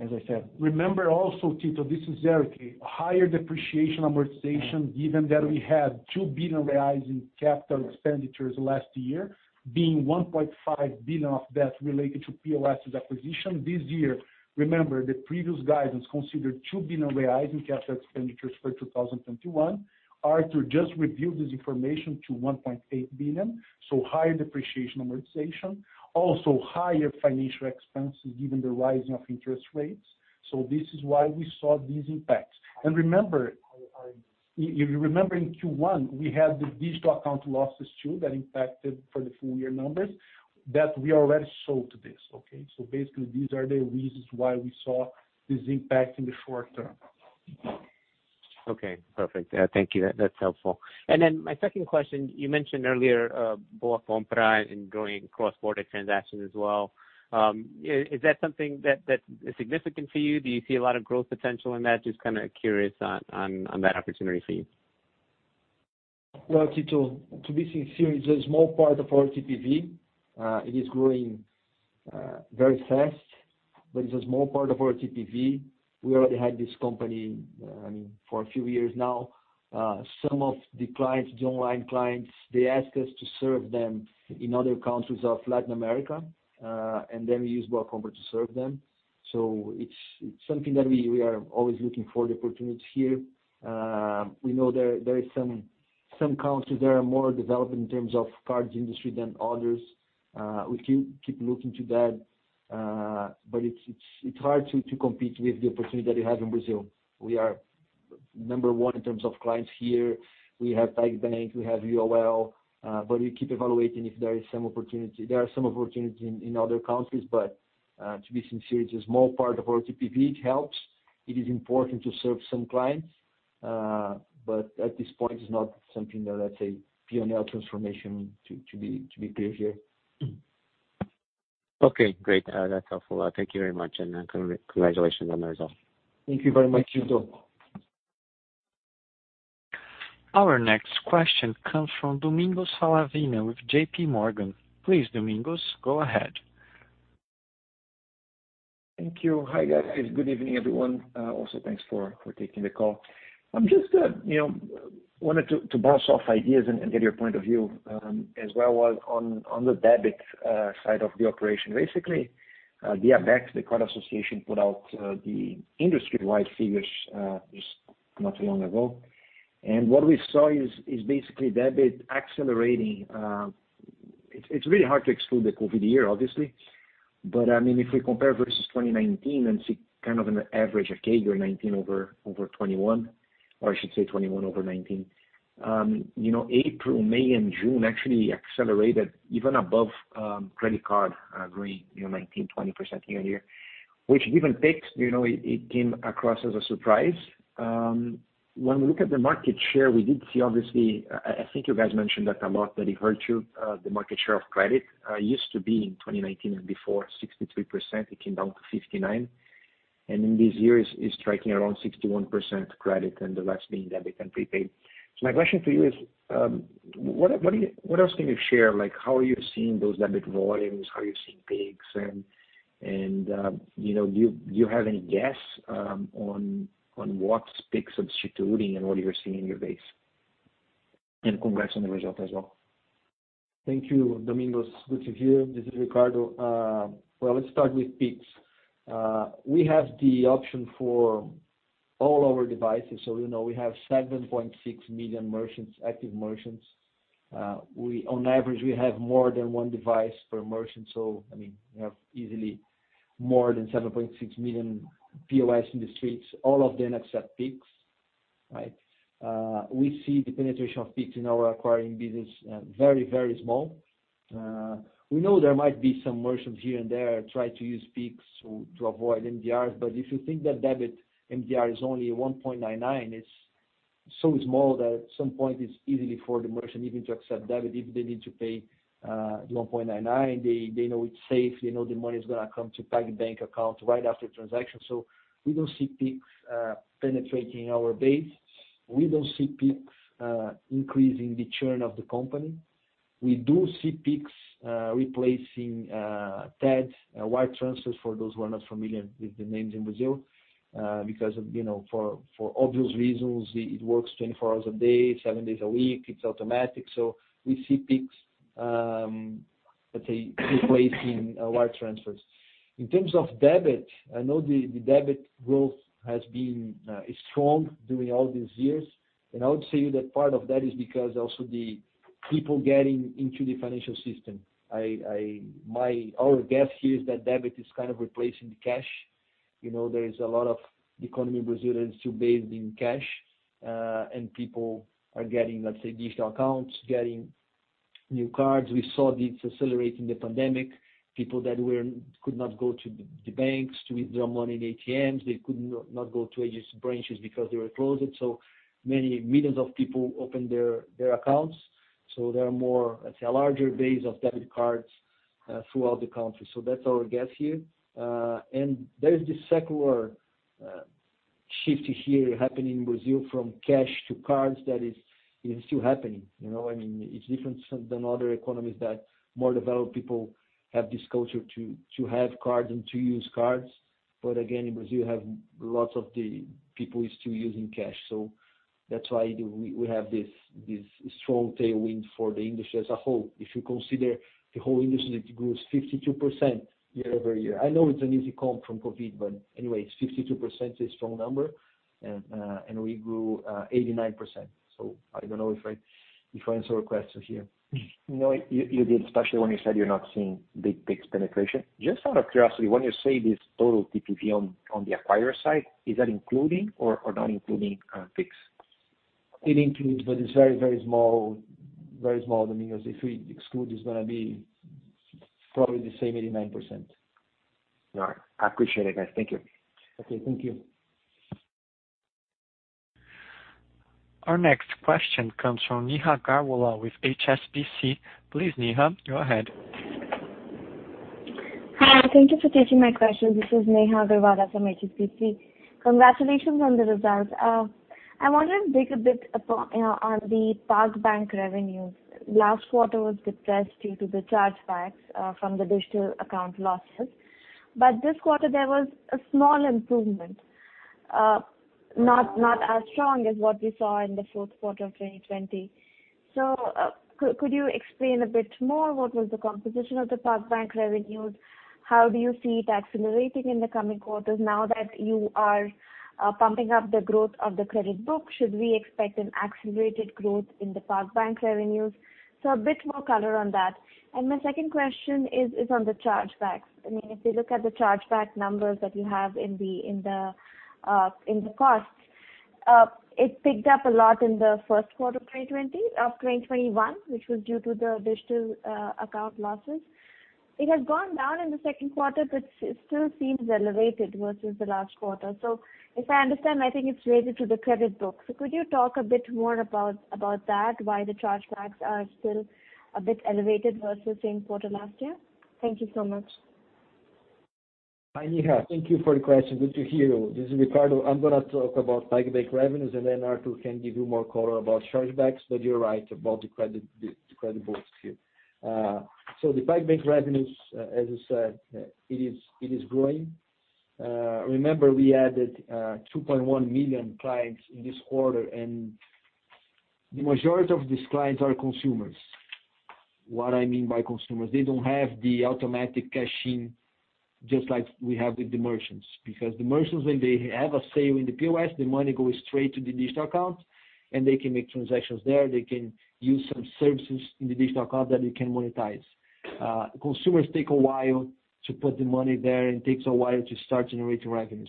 as I said. Remember also, Tito Labarta, this is Eric speaking. Higher depreciation amortization given that we had, 2 billion reais in capital expenditures last year. Being 1.5 billion of that related to POS acquisition. This year, remember, the previous guidance considered 2 billion reais in capital expenditures for 2021. Artur just reviewed this information to 1.8 billion, so higher depreciation amortization. Higher financial expenses, given the rising of interest rates. This is why we saw these impacts? Remember, if you remember in Q1. We had the digital account losses too, that impacted for the full year numbers. That we already sold this, okay? Basically, these are the reasons. Why we saw this impact in the short term. Okay, perfect. Thank you, that's helpful. My second question, you mentioned earlier BoaCompra, and growing cross-border transactions as well. Is that something, that is significant for you? Do you see a lot of growth potential in that? Just kind of curious on that opportunity for you. Well, Tito, to be sincere, it's a small part of our TPV. It is growing very fast. It's a small part of our TPV. We already had this company for a few years now. Some of the clients, the online clients. They ask us to serve them in other countries of Latin America. Then we use BoaCompra to serve them. It's something that we are always looking for the opportunity here. We know there is some countries, that are more developed in terms of cards industry than others. We keep looking to that, it's hard to compete with the opportunity that we have in Brazil. We are number one in terms of clients here. We have PagBank, we have UOL. We keep evaluating if there are some opportunities in other countries. To be sincere, it's a small part of our TPV. It helps. It is important to serve some clients. At this point, it's not something that. Let's say, P&L transformation to be clear here. Okay, great. That's helpful. Thank you very much, and congratulations on the result. Thank you very much, Tito. Our next question comes from Domingos Falavina with JPMorgan. Please, Domingos, go ahead. Thank you. Hi, guys. Good evening, everyone. Also, thanks for taking the call. I just wanted to bounce off ideas, and get your point of view. As well on the debit side of the operation. Basically, ABECS, the card association. Put out the industry-wide figures, just not too long ago. What we saw is basically debit accelerating? It's really hard to exclude the COVID year, obviously. If we compare versus 2019, and see an average of CAGR 2019 over 2021, or I should say 2021 over 2019. You know, April, May, and June actually accelerated. Even above credit card rate, 19%-20% year-over-year. Which given Pix, it came across as a surprise. When we look at the market share, we did see. Obviously, I think you guys mentioned that a lot. That it hurt you, the market share of credit. It used to be in 2019, and before 63%, it came down to 59%. In this year is striking around 61% credit, and the rest being debit and prepaid. My question to you is, what else can you share? How are you seeing those debit volumes? How are you seeing Pix? And do you have any guess on, what's Pix substituting? And what you're seeing in your base? Congrats on the result as well. Thank you, Domingos. Good to hear, this is Ricardo. Well, let's start with Pix. We have the option for all our devices. We have 7.6 million merchants, active merchants. On average, we have more than one device per merchant. So, we have easily more than 7.6 million POS in the streets. All of them accept Pix. We see the penetration of Pix in our Acquiring business very, very small. We know there might be some merchants here, and there. Try to use Pix to avoid MDRs, but if you think that debit MDR is only 1.99%. It's so small that at some point. It's easy for the merchant even to accept debit, if they need to pay 1.99%. They know it's safe. They know the money is going to come, to PagBank account right after transaction. We don't see Pix penetrating our base. We don't see Pix increasing the churn of the company. We do see Pix replacing TED, wire transfers. For those who are not familiar, with the names in Brazil. Because for obvious reasons, it works 24 hours a day, seven days a week. It's automatic. We see Pix, let's say, replacing wire transfers. In terms of debit, I know the debit growth. Has been strong, during all these years, and I would say that part of that is. Because also the people getting into the financial system. Our guess here is that debit is replacing cash. There is a lot of the economy in Brazil, that is still based in cash, and people are getting. Let's say, digital accounts, getting new cards. We saw this accelerating the pandemic. People that could not go to the banks, to withdraw money in ATMs. They could not go to agency branches, because they were closed. Many millions of people opened their accounts. There are more, let's say, a larger base of debit cards throughout the country. That's our guess here. There is this secular, shift here happening in Brazil. From cash to cards that is still happening. It's different than other economies, that more developed people. Have this culture to have cards, and to use cards. But again, in Brazil, you have lots of the people still using cash. That's why, we have this strong tailwind for the industry as a whole. If you consider the whole industry, it grows 52% year-over-year. I know it's an easy comp from COVID, but anyway. It's 52% is a strong number. We grew 89%. I don't know if I answered your question here. No, you did, especially when you said you're not seeing big Pix penetration. Just out of curiosity, when you say this total TPV on the acquirer side? Is that including or not including Pix? It includes, but it's very, very small. Very small, Domingos. If we exclude, it's going to be probably the same 89%. All right. I appreciate it, guys. Thank you. Okay, thank you. Our next question comes from Neha Agarwala with HSBC. Please, Neha, go ahead. Hi. Thank you for taking my question. This is Neha Agarwala from HSBC. Congratulations on the results. I wanted to dig a bit on the PagBank revenues. Last quarter was depressed, due to the chargebacks from the digital account losses. This quarter, there was a small improvement. Not as strong, as what we saw in the fourth quarter of 2020. Could you explain a bit more, what was the composition of the PagBank revenues? How do you see it accelerating in the coming quarters now? That you are pumping up the growth of the credit book. Should we expect, an accelerated growth in the PagBank revenues. A bit more color on that. My second question is on the chargebacks. If we look at the chargeback numbers, that you have in the costs. It picked up a lot in the first quarter of 2020, up 2021. Which was due to the digital account losses? It has gone down in the second quarter, but it still seems elevated versus the last quarter. If I understand, I think it's related to the credit book. Could you talk a bit more about that. Why the chargebacks are still a bit elevated versus same quarter last year? Thank you so much. Hi, Neha. Thank you for the question. Good to hear you. This is Ricardo. I'm going to talk about PagBank revenues, and then Artur can give you more color about chargebacks. You're right about the credit boost here. The PagBank revenues, as you said, it is growing. Remember we added 2.1 million clients in this quarter, and the majority of these clients are consumers. What I mean by consumers, they don't have the automatic cash-in. Just like we have with the merchants. Because the merchants, when they have a sale in the POS. The money goes straight to the digital account, and they can make transactions there. They can use some services, in the digital account that we can monetize. Consumers take a while, to put the money there. And it takes a while, to start generating revenue.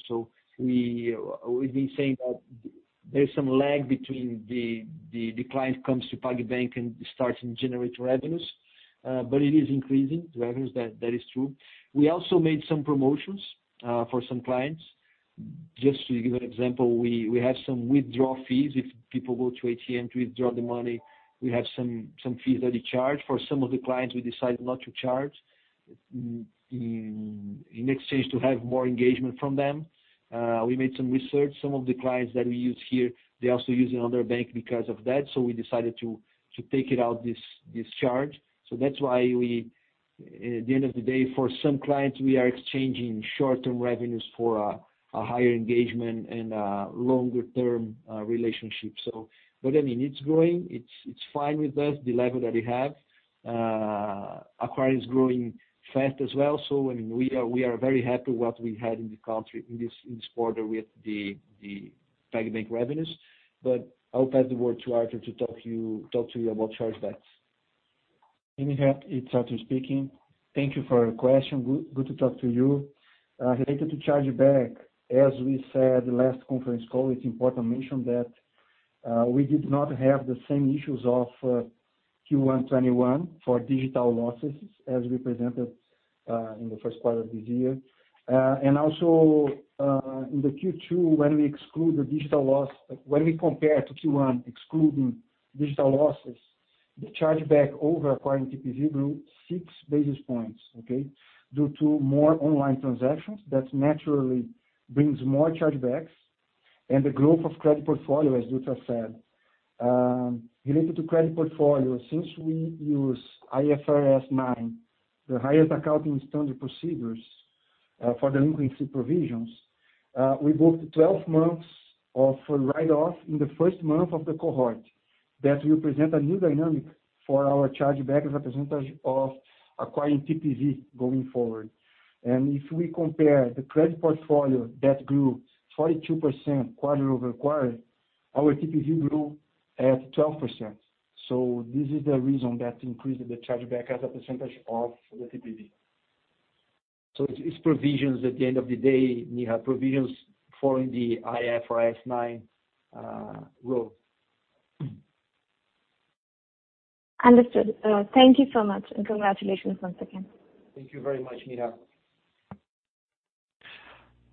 We've been saying that, there's some lag between the client comes to PagBank, and starts to generate revenues. It is increasing, the revenues. That is true. We also made some promotions for some clients. Just to give an example, we have some withdrawal fees. If people go to ATM to withdraw the money. We have some fees that we charge. For some of the clients, we decided not to charge. In exchange to have more engagement from them. We made some research. Some of the clients, that we use here. They also use another bank, because of that. We decided to take it out, this charge. That's why we, at the end of the day, for some clients. We are exchanging short-term revenues for a higher engagement. And a longer-term relationship. It's growing. It's fine with us, the level that we have. Acquire is growing fast as well. We are very happy, what we had in the country in this quarter, with the PagBank revenues? I'll pass the word to Artur, to talk to you about chargebacks. Neha, it's Artur speaking. Thank you for your question. Good to talk to you. Related to chargeback, as we said last conference call. It's important to mention that, we did not have the same issues of Q1 2021. For digital losses, as we presented in the first quarter of this year. Also, in the Q2, when we compare to Q1 excluding digital losses. The chargeback over Acquiring TPV grew 6 basis points, okay? Due to more online transactions. That naturally, brings more chargebacks. And the growth of credit portfolio, as Dutra said. Related to credit portfolio, since we use IFRS Nine. The highest accounting standard procedures, for delinquency provisions. We book 12 months, of write-off in the first month of the cohort. That will present a new dynamic for our chargeback. As a percentage of Acquiring TPV going forward. If we compare the credit portfolio, that grew 42% quarter-over-quarter, our TPV grew at 12%. This is the reason, that increased the chargeback as a percentage of the TPV. It's provisions at the end of the day, Neha. Provisions following the IFRS Nine rule. Understood. Thank you so much, and congratulations once again. Thank you very much, Neha.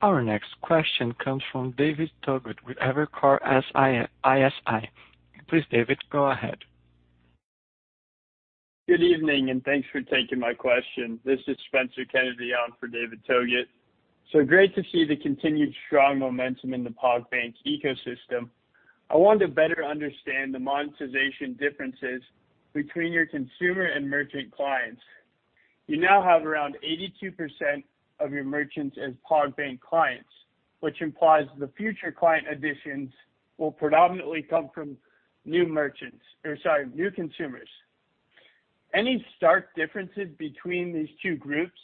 Our next question comes from David Togut with Evercore ISI. Please, David, go ahead. Good evening, and thanks for taking my question. This is Spencer Kennedy on for David Togut. Great to see, the continued strong momentum in the PagBank ecosystem. I wanted to better understand the monetization differences. Between your consumer, and merchant clients. You now have around 82% of your merchants as PagBank clients. Which implies the future client additions, will predominantly come from new consumers? Any stark differences between these two groups?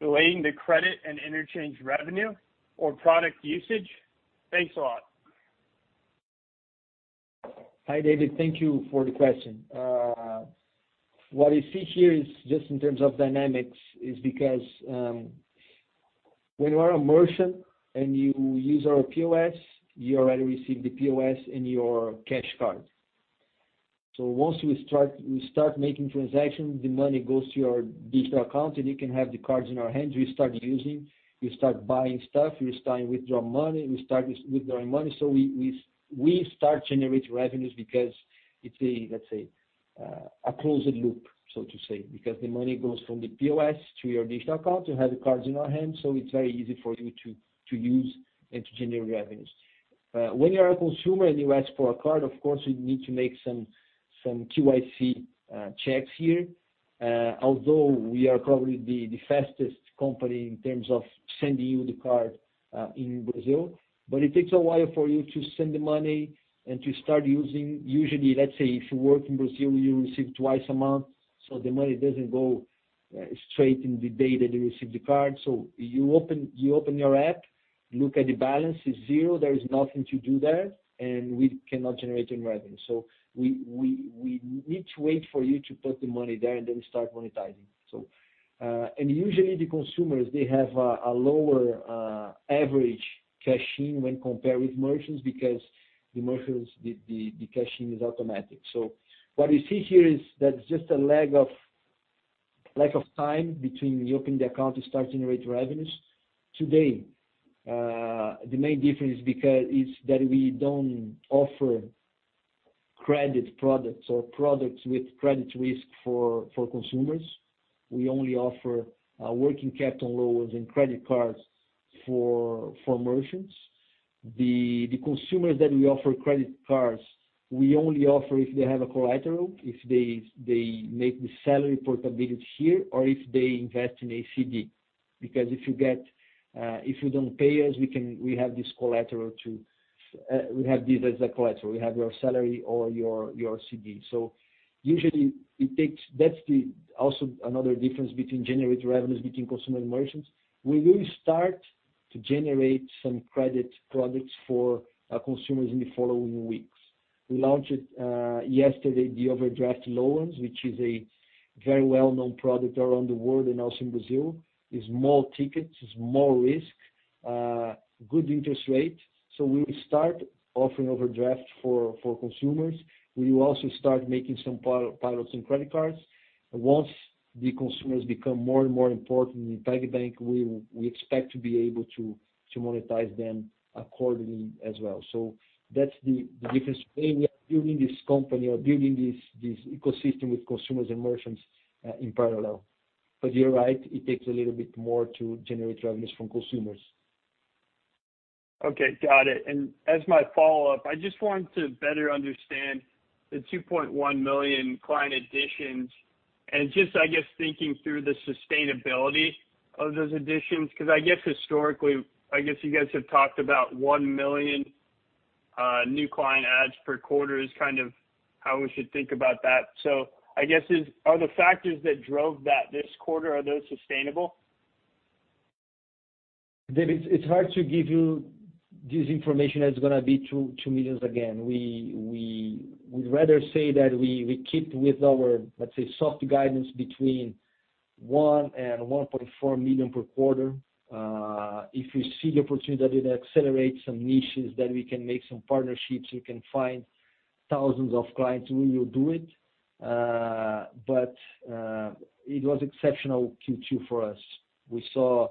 Relating to credit, and interchange revenue or product usage? Thanks a lot. Hi, David. Thank you for the question. What you see here is just in terms of dynamics is. Because when you are a merchant, and you use our POS. You already receive the POS in your cash card. Once we start making transactions, the money goes to your digital account. And you can have the cards in your hands. You start using, you start buying stuff. You start withdrawing money. We start generating revenues, because it's a closed loop, so to say. Because the money goes from the POS, to your digital account. You have the cards in your hand. So, it's very easy for you to use, and to generate revenues. When you are a consumer, and you ask for a card. Of course, we need to make some KYC checks here. We are probably, the fastest company in terms of sending you the card in Brazil. It takes a while for you to send the money, and to start using. Usually, let's say, if you work in Brazil, you receive twice a month. The money doesn't go straight in the day, that you receive the card. You open your app, look at the balance. It's zero. There is nothing to do there. We cannot generate any revenue. We need to wait for you to put the money there, we start monetizing. Usually the consumers, they have a lower average cash-in. When compared with merchants, because the merchants, the cash-in is automatic. What you see here, is that it's just a lag of time. Between you opening the account, to start generate revenues. Today, the main difference is that we don't offer. Credit products or products, with credit risk for consumers. We only offer working capital loans, and credit cards for merchants. The consumers that we offer credit cards. We only offer if they have a collateral, if they make the salary portability here, or if they invest in a CD. If you don't pay us, we have this as a collateral. We have your salary or your CD. Usually, that's also another difference between generate revenues, between consumer, and merchants. We will start to generate some credit products, for consumers in the following weeks. We launched yesterday, the overdraft loans. Which is a very well-known product around the world, and also in Brazil. It's small tickets, it's small risk, good interest rate. We will start offering overdraft for consumers. We will also start making some pilots, and credit cards. Once the consumers become more, and more important in PagBank. We expect to be able, to monetize them accordingly as well. That's the difference. We are building this company or building this ecosystem. With consumers, and merchants in parallel. You're right, it takes a little bit more to generate revenues from consumers. Okay, got it. As my follow-up, I just wanted to better understand. The 2.1 million client additions, and just thinking through the sustainability of those additions. Because historically, you guys have talked about 1 million. New client adds per quarter, is kind of, how we should think about that? Are the factors that drove that this quarter, are those sustainable? David, it's hard to give you this information, as going to be 2 million again. We'd rather say that we keep with our, let's say. Soft guidance between 1 million and 1.4 million per quarter. If we see the opportunity, to accelerate some niches. That we can make some partnerships, we can find thousands of clients, we will do it. It was exceptional Q2 for us. We saw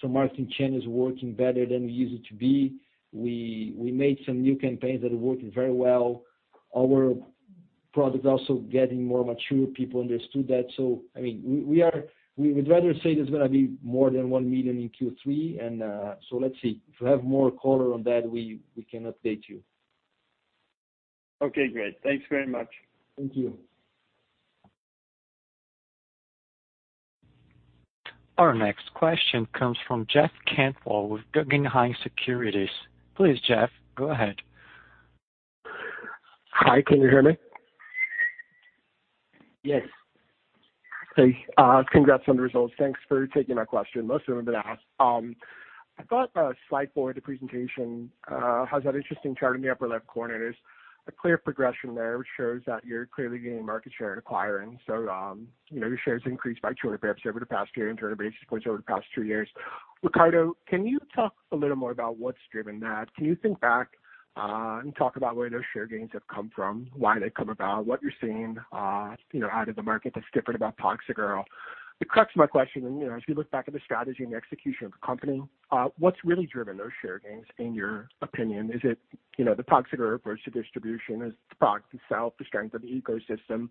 some marketing channels working better, than we used to be. We made some new campaigns, that are working very well. Our product also getting more mature. People understood that. We would rather say there's going to be more than 1 million in Q3. Let's see. If we have more color on that, we can update you. Okay, great. Thanks very much. Thank you. Our next question comes from Jeff Cantwell with Guggenheim Securities. Please, Jeff, go ahead. Hi, can you hear me? Yes. Okay. Congrats on the results. Thanks for taking my question. Most of them have been asked. I thought a slide four of the presentation, has that interesting chart in the upper left corner. There is a clear progression there, which shows that you are clearly gaining market share, and Acquiring? Your shares increased by 250 basis points over the past year, and 200 basis points over the past two years. Ricardo, can you talk a little more about, what is driven that? Can you think back, and talk about where those share gains have come from? Why they come about? What you are seeing out of the market, that is different about PagSeguro? The crux of my question, as we look back at the strategy, and the execution of the company. What is really driven those share gains, in your opinion? Is it the PagSeguro approach to distribution? Is it the product itself, the strength of the ecosystem?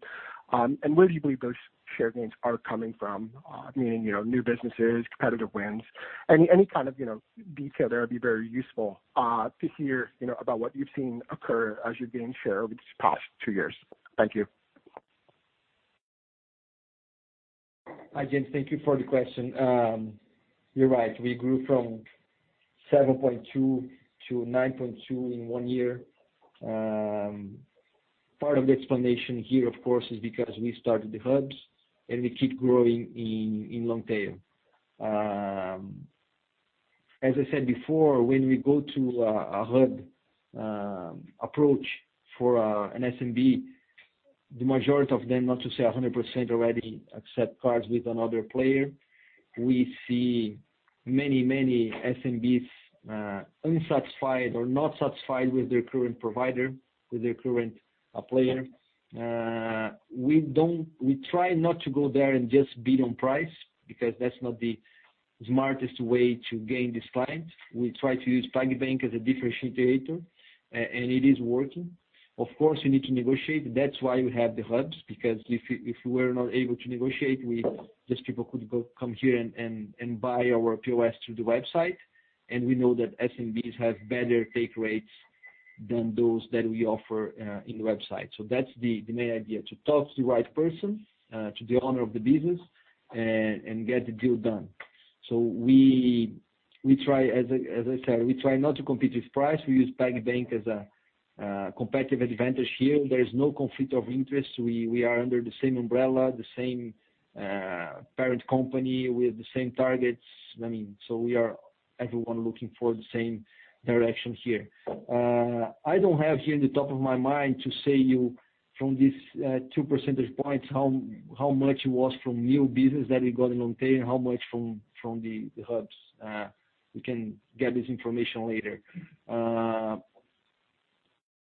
Where do you believe those share gains are coming from? Meaning, new businesses, competitive wins. Any kind of detail there would be very useful to hear about. What you've seen occur, as you gain share over these past two years? Thank you. Hi, Jeff. Thank you for the question. You're right. We grew from 7.2% to 9.2% in one year. Part of the explanation here, of course, is because we started the Hubs, and we keep growing in long tail. As I said before, when we go to a Hub approach for an SMB? The majority of them, not to say 100% already, accept cards with another player. We see many, many SMBs unsatisfied or not satisfied. With their current provider, with their current player. We try not to go there, and just bid on price. Because that's not the smartest way, to gain these clients. We try to use PagBank as a differentiator. It is working. Of course, you need to negotiate. That's why we have the Hubs? Because if we were not able to negotiate. Just people could come here, and buy our POS through the website. We know, that SMBs have better take rates. Than those that we offer in the website. That's the main idea, to talk to the right person, to the owner of the business, and get the deal done. We try, as I said, we try not to compete with price. We use PagBank as a competitive advantage here. There is no conflict of interest. We are under the same umbrella, the same parent company. We have the same targets. We are everyone looking for the same direction here. I don't have here in the top of my mind, to say you from this 2 percentage points. How much it was from new business, that we got in long tail? And how much from the Hubs? We can get this information later.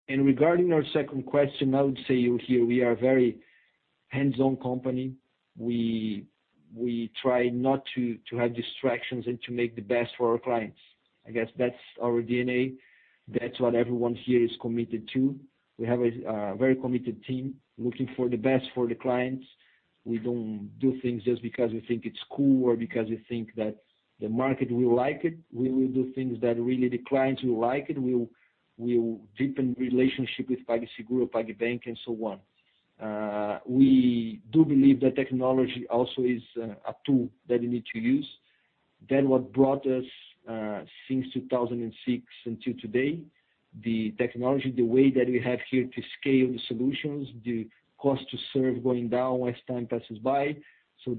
Regarding our second question, I would say you here we are very hands-on company. We try not to have distractions, and to make the best for our clients. I guess that's our DNA. That's what everyone here is committed to. We have a very committed team, looking for the best for the clients. We don't do things just, because we think it's cool. Or because we think that the market will like it. We will do things that really the clients will like it. We'll deepen relationship with PagSeguro, PagBank, and so on. We do believe, that technology also is a tool that you need to use. What brought us, since 2006 until today, the technology. The way that we have here to scale the solutions. The cost to serve going down as time passes by.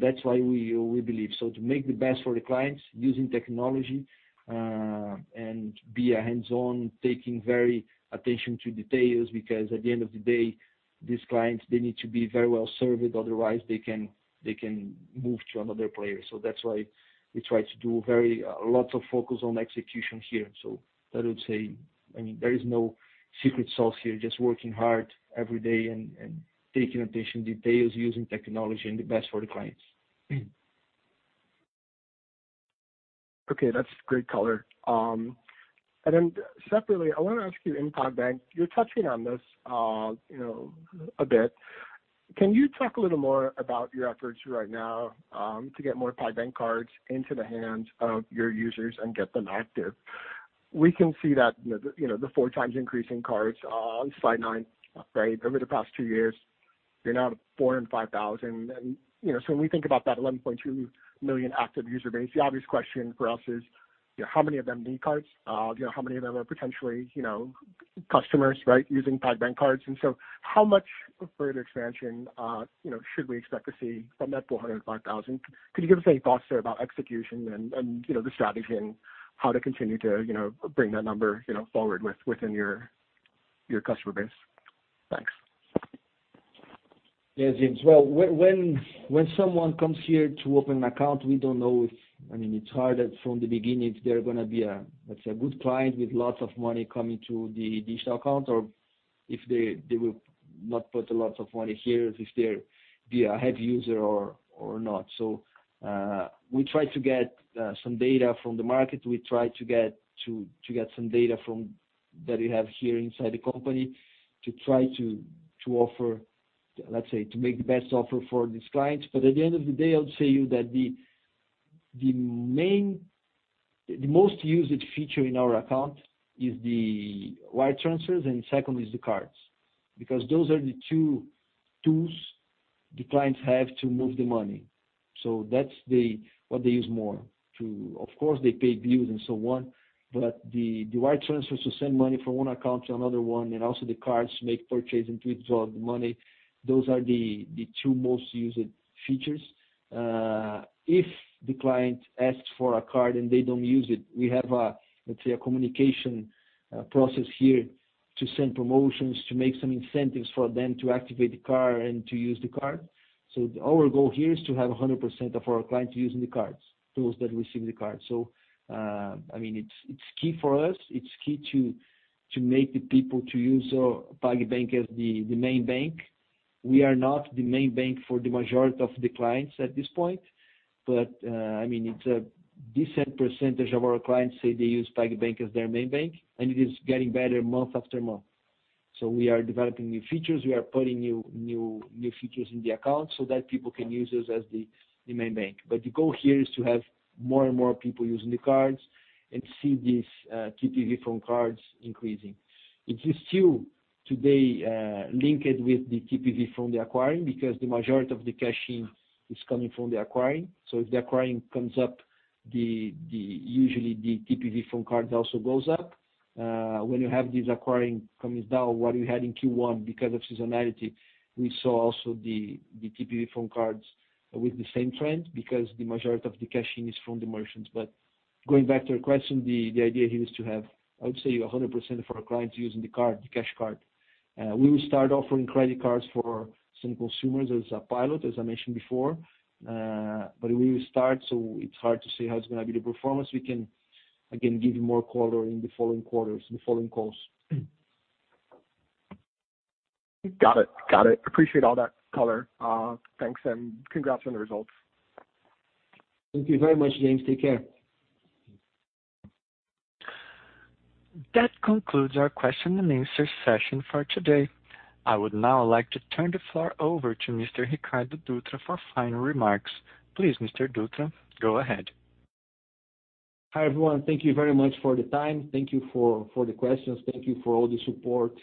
That's why we believe. To make the best for the clients using technology, and be hands-on. Taking very attention to details, because at the end of the day. These clients, they need to be very well served. Otherwise, they can move to another player. That's why, we try to do lots of focus on execution here. I would say, there is no secret sauce here. Just working hard every day, and taking attention details. Using technology in the best for the clients. Okay, that's great color. Then separately, I want to ask you in PagBank, you're touching on this a bit. Can you talk a little more about your efforts right now? To get more PagBank cards into the hands of your users, and get them active? We can see that the 4x increase in cards, on slide nine over the past two years. You're now at 405,000. So, when we think about that 11.2 million active user base. The obvious question for us is, how many of them need cards? How many of them are potentially customers using PagBank cards? So how much further expansion, should we expect to see from that 405,000? Could you give us any thoughts there about execution, and the strategy? And how to continue to bring that number forward, within your customer base? Thanks. Yes, Jeff. Well, when someone comes here to open an account, we din't know. I mean it's hard from the beginning, if they're going to be a good client. With lots of money coming to the digital account. Or if they will not put a lot of money here, if they're heavy user or not. We try to get some data from the market. We try to get some data, that we have here inside the company. To try to make the best offer for these clients. At the end of the day, I'll tell you that. The main, most used feature in our account, is the wire transfers, and second is the cards. Those are the two tools, the clients have to move the money. That's what they use more. Of course, they pay bills and so on. But the wire transfers to send money, from one account to another one. And also, the cards make purchase, and to withdraw the money. Those are the two most used features. If the client asks for a card, and they don't use it. We have a communication process here to send promotions. To make some incentives for them to activate the card, and to use the card. Our goal here is to have 100% of our clients using the cards, those that receive the card. It's key for us. It's key to make, the people to use PagBank as the main bank. We are not the main bank, for the majority of the clients at this point. It's a decent percentage of our clients, say they use PagBank as their main bank. And it is getting better month after month. We are developing new features. We are putting new features in the account. So that people can use us as the main bank. The goal here is to have more, and more people using the cards. And see this TPV from cards increasing. It is still today linked with the TPV from the Acquiring. Because the majority of the cashing is coming from the Acquiring. If the Acquiring comes up, usually the TPV from card also goes up. When you have this Acquiring coming down, what we had in Q1. Because of seasonality, we saw also the TPV from cards with the same trend. Because the majority of the cashing is from the merchants. Going back to your question, the idea here is to have. I would say, 100% of our clients using the cash card. We will start offering credit cards, for some consumers as a pilot, as I mentioned before. We will start, so it's hard to say how it's going to be the performance. We can, again, give you more color in the following quarters, the following calls. Got it. Appreciate all that color. Thanks. Congrats on the results. Thank you very much, Jeff. Take care. That concludes our question-and-answer session for today. I would now like to turn the floor over, to Mr. Ricardo Dutra for final remarks. Please, Mr. Dutra, go ahead. Hi, everyone. Thank you very much for the time. Thank you for the questions. Thank you for all the support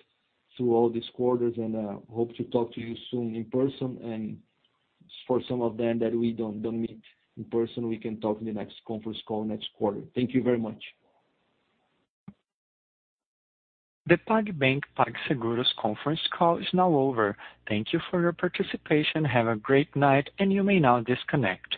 through all these quarters. I hope to talk to you soon in person. For some of them, that we don't meet in person. We can talk in the next conference call next quarter. Thank you very much. The PagBank PagSeguro's conference call is now over. Thank you for your participation. Have a great night, and you may now disconnect.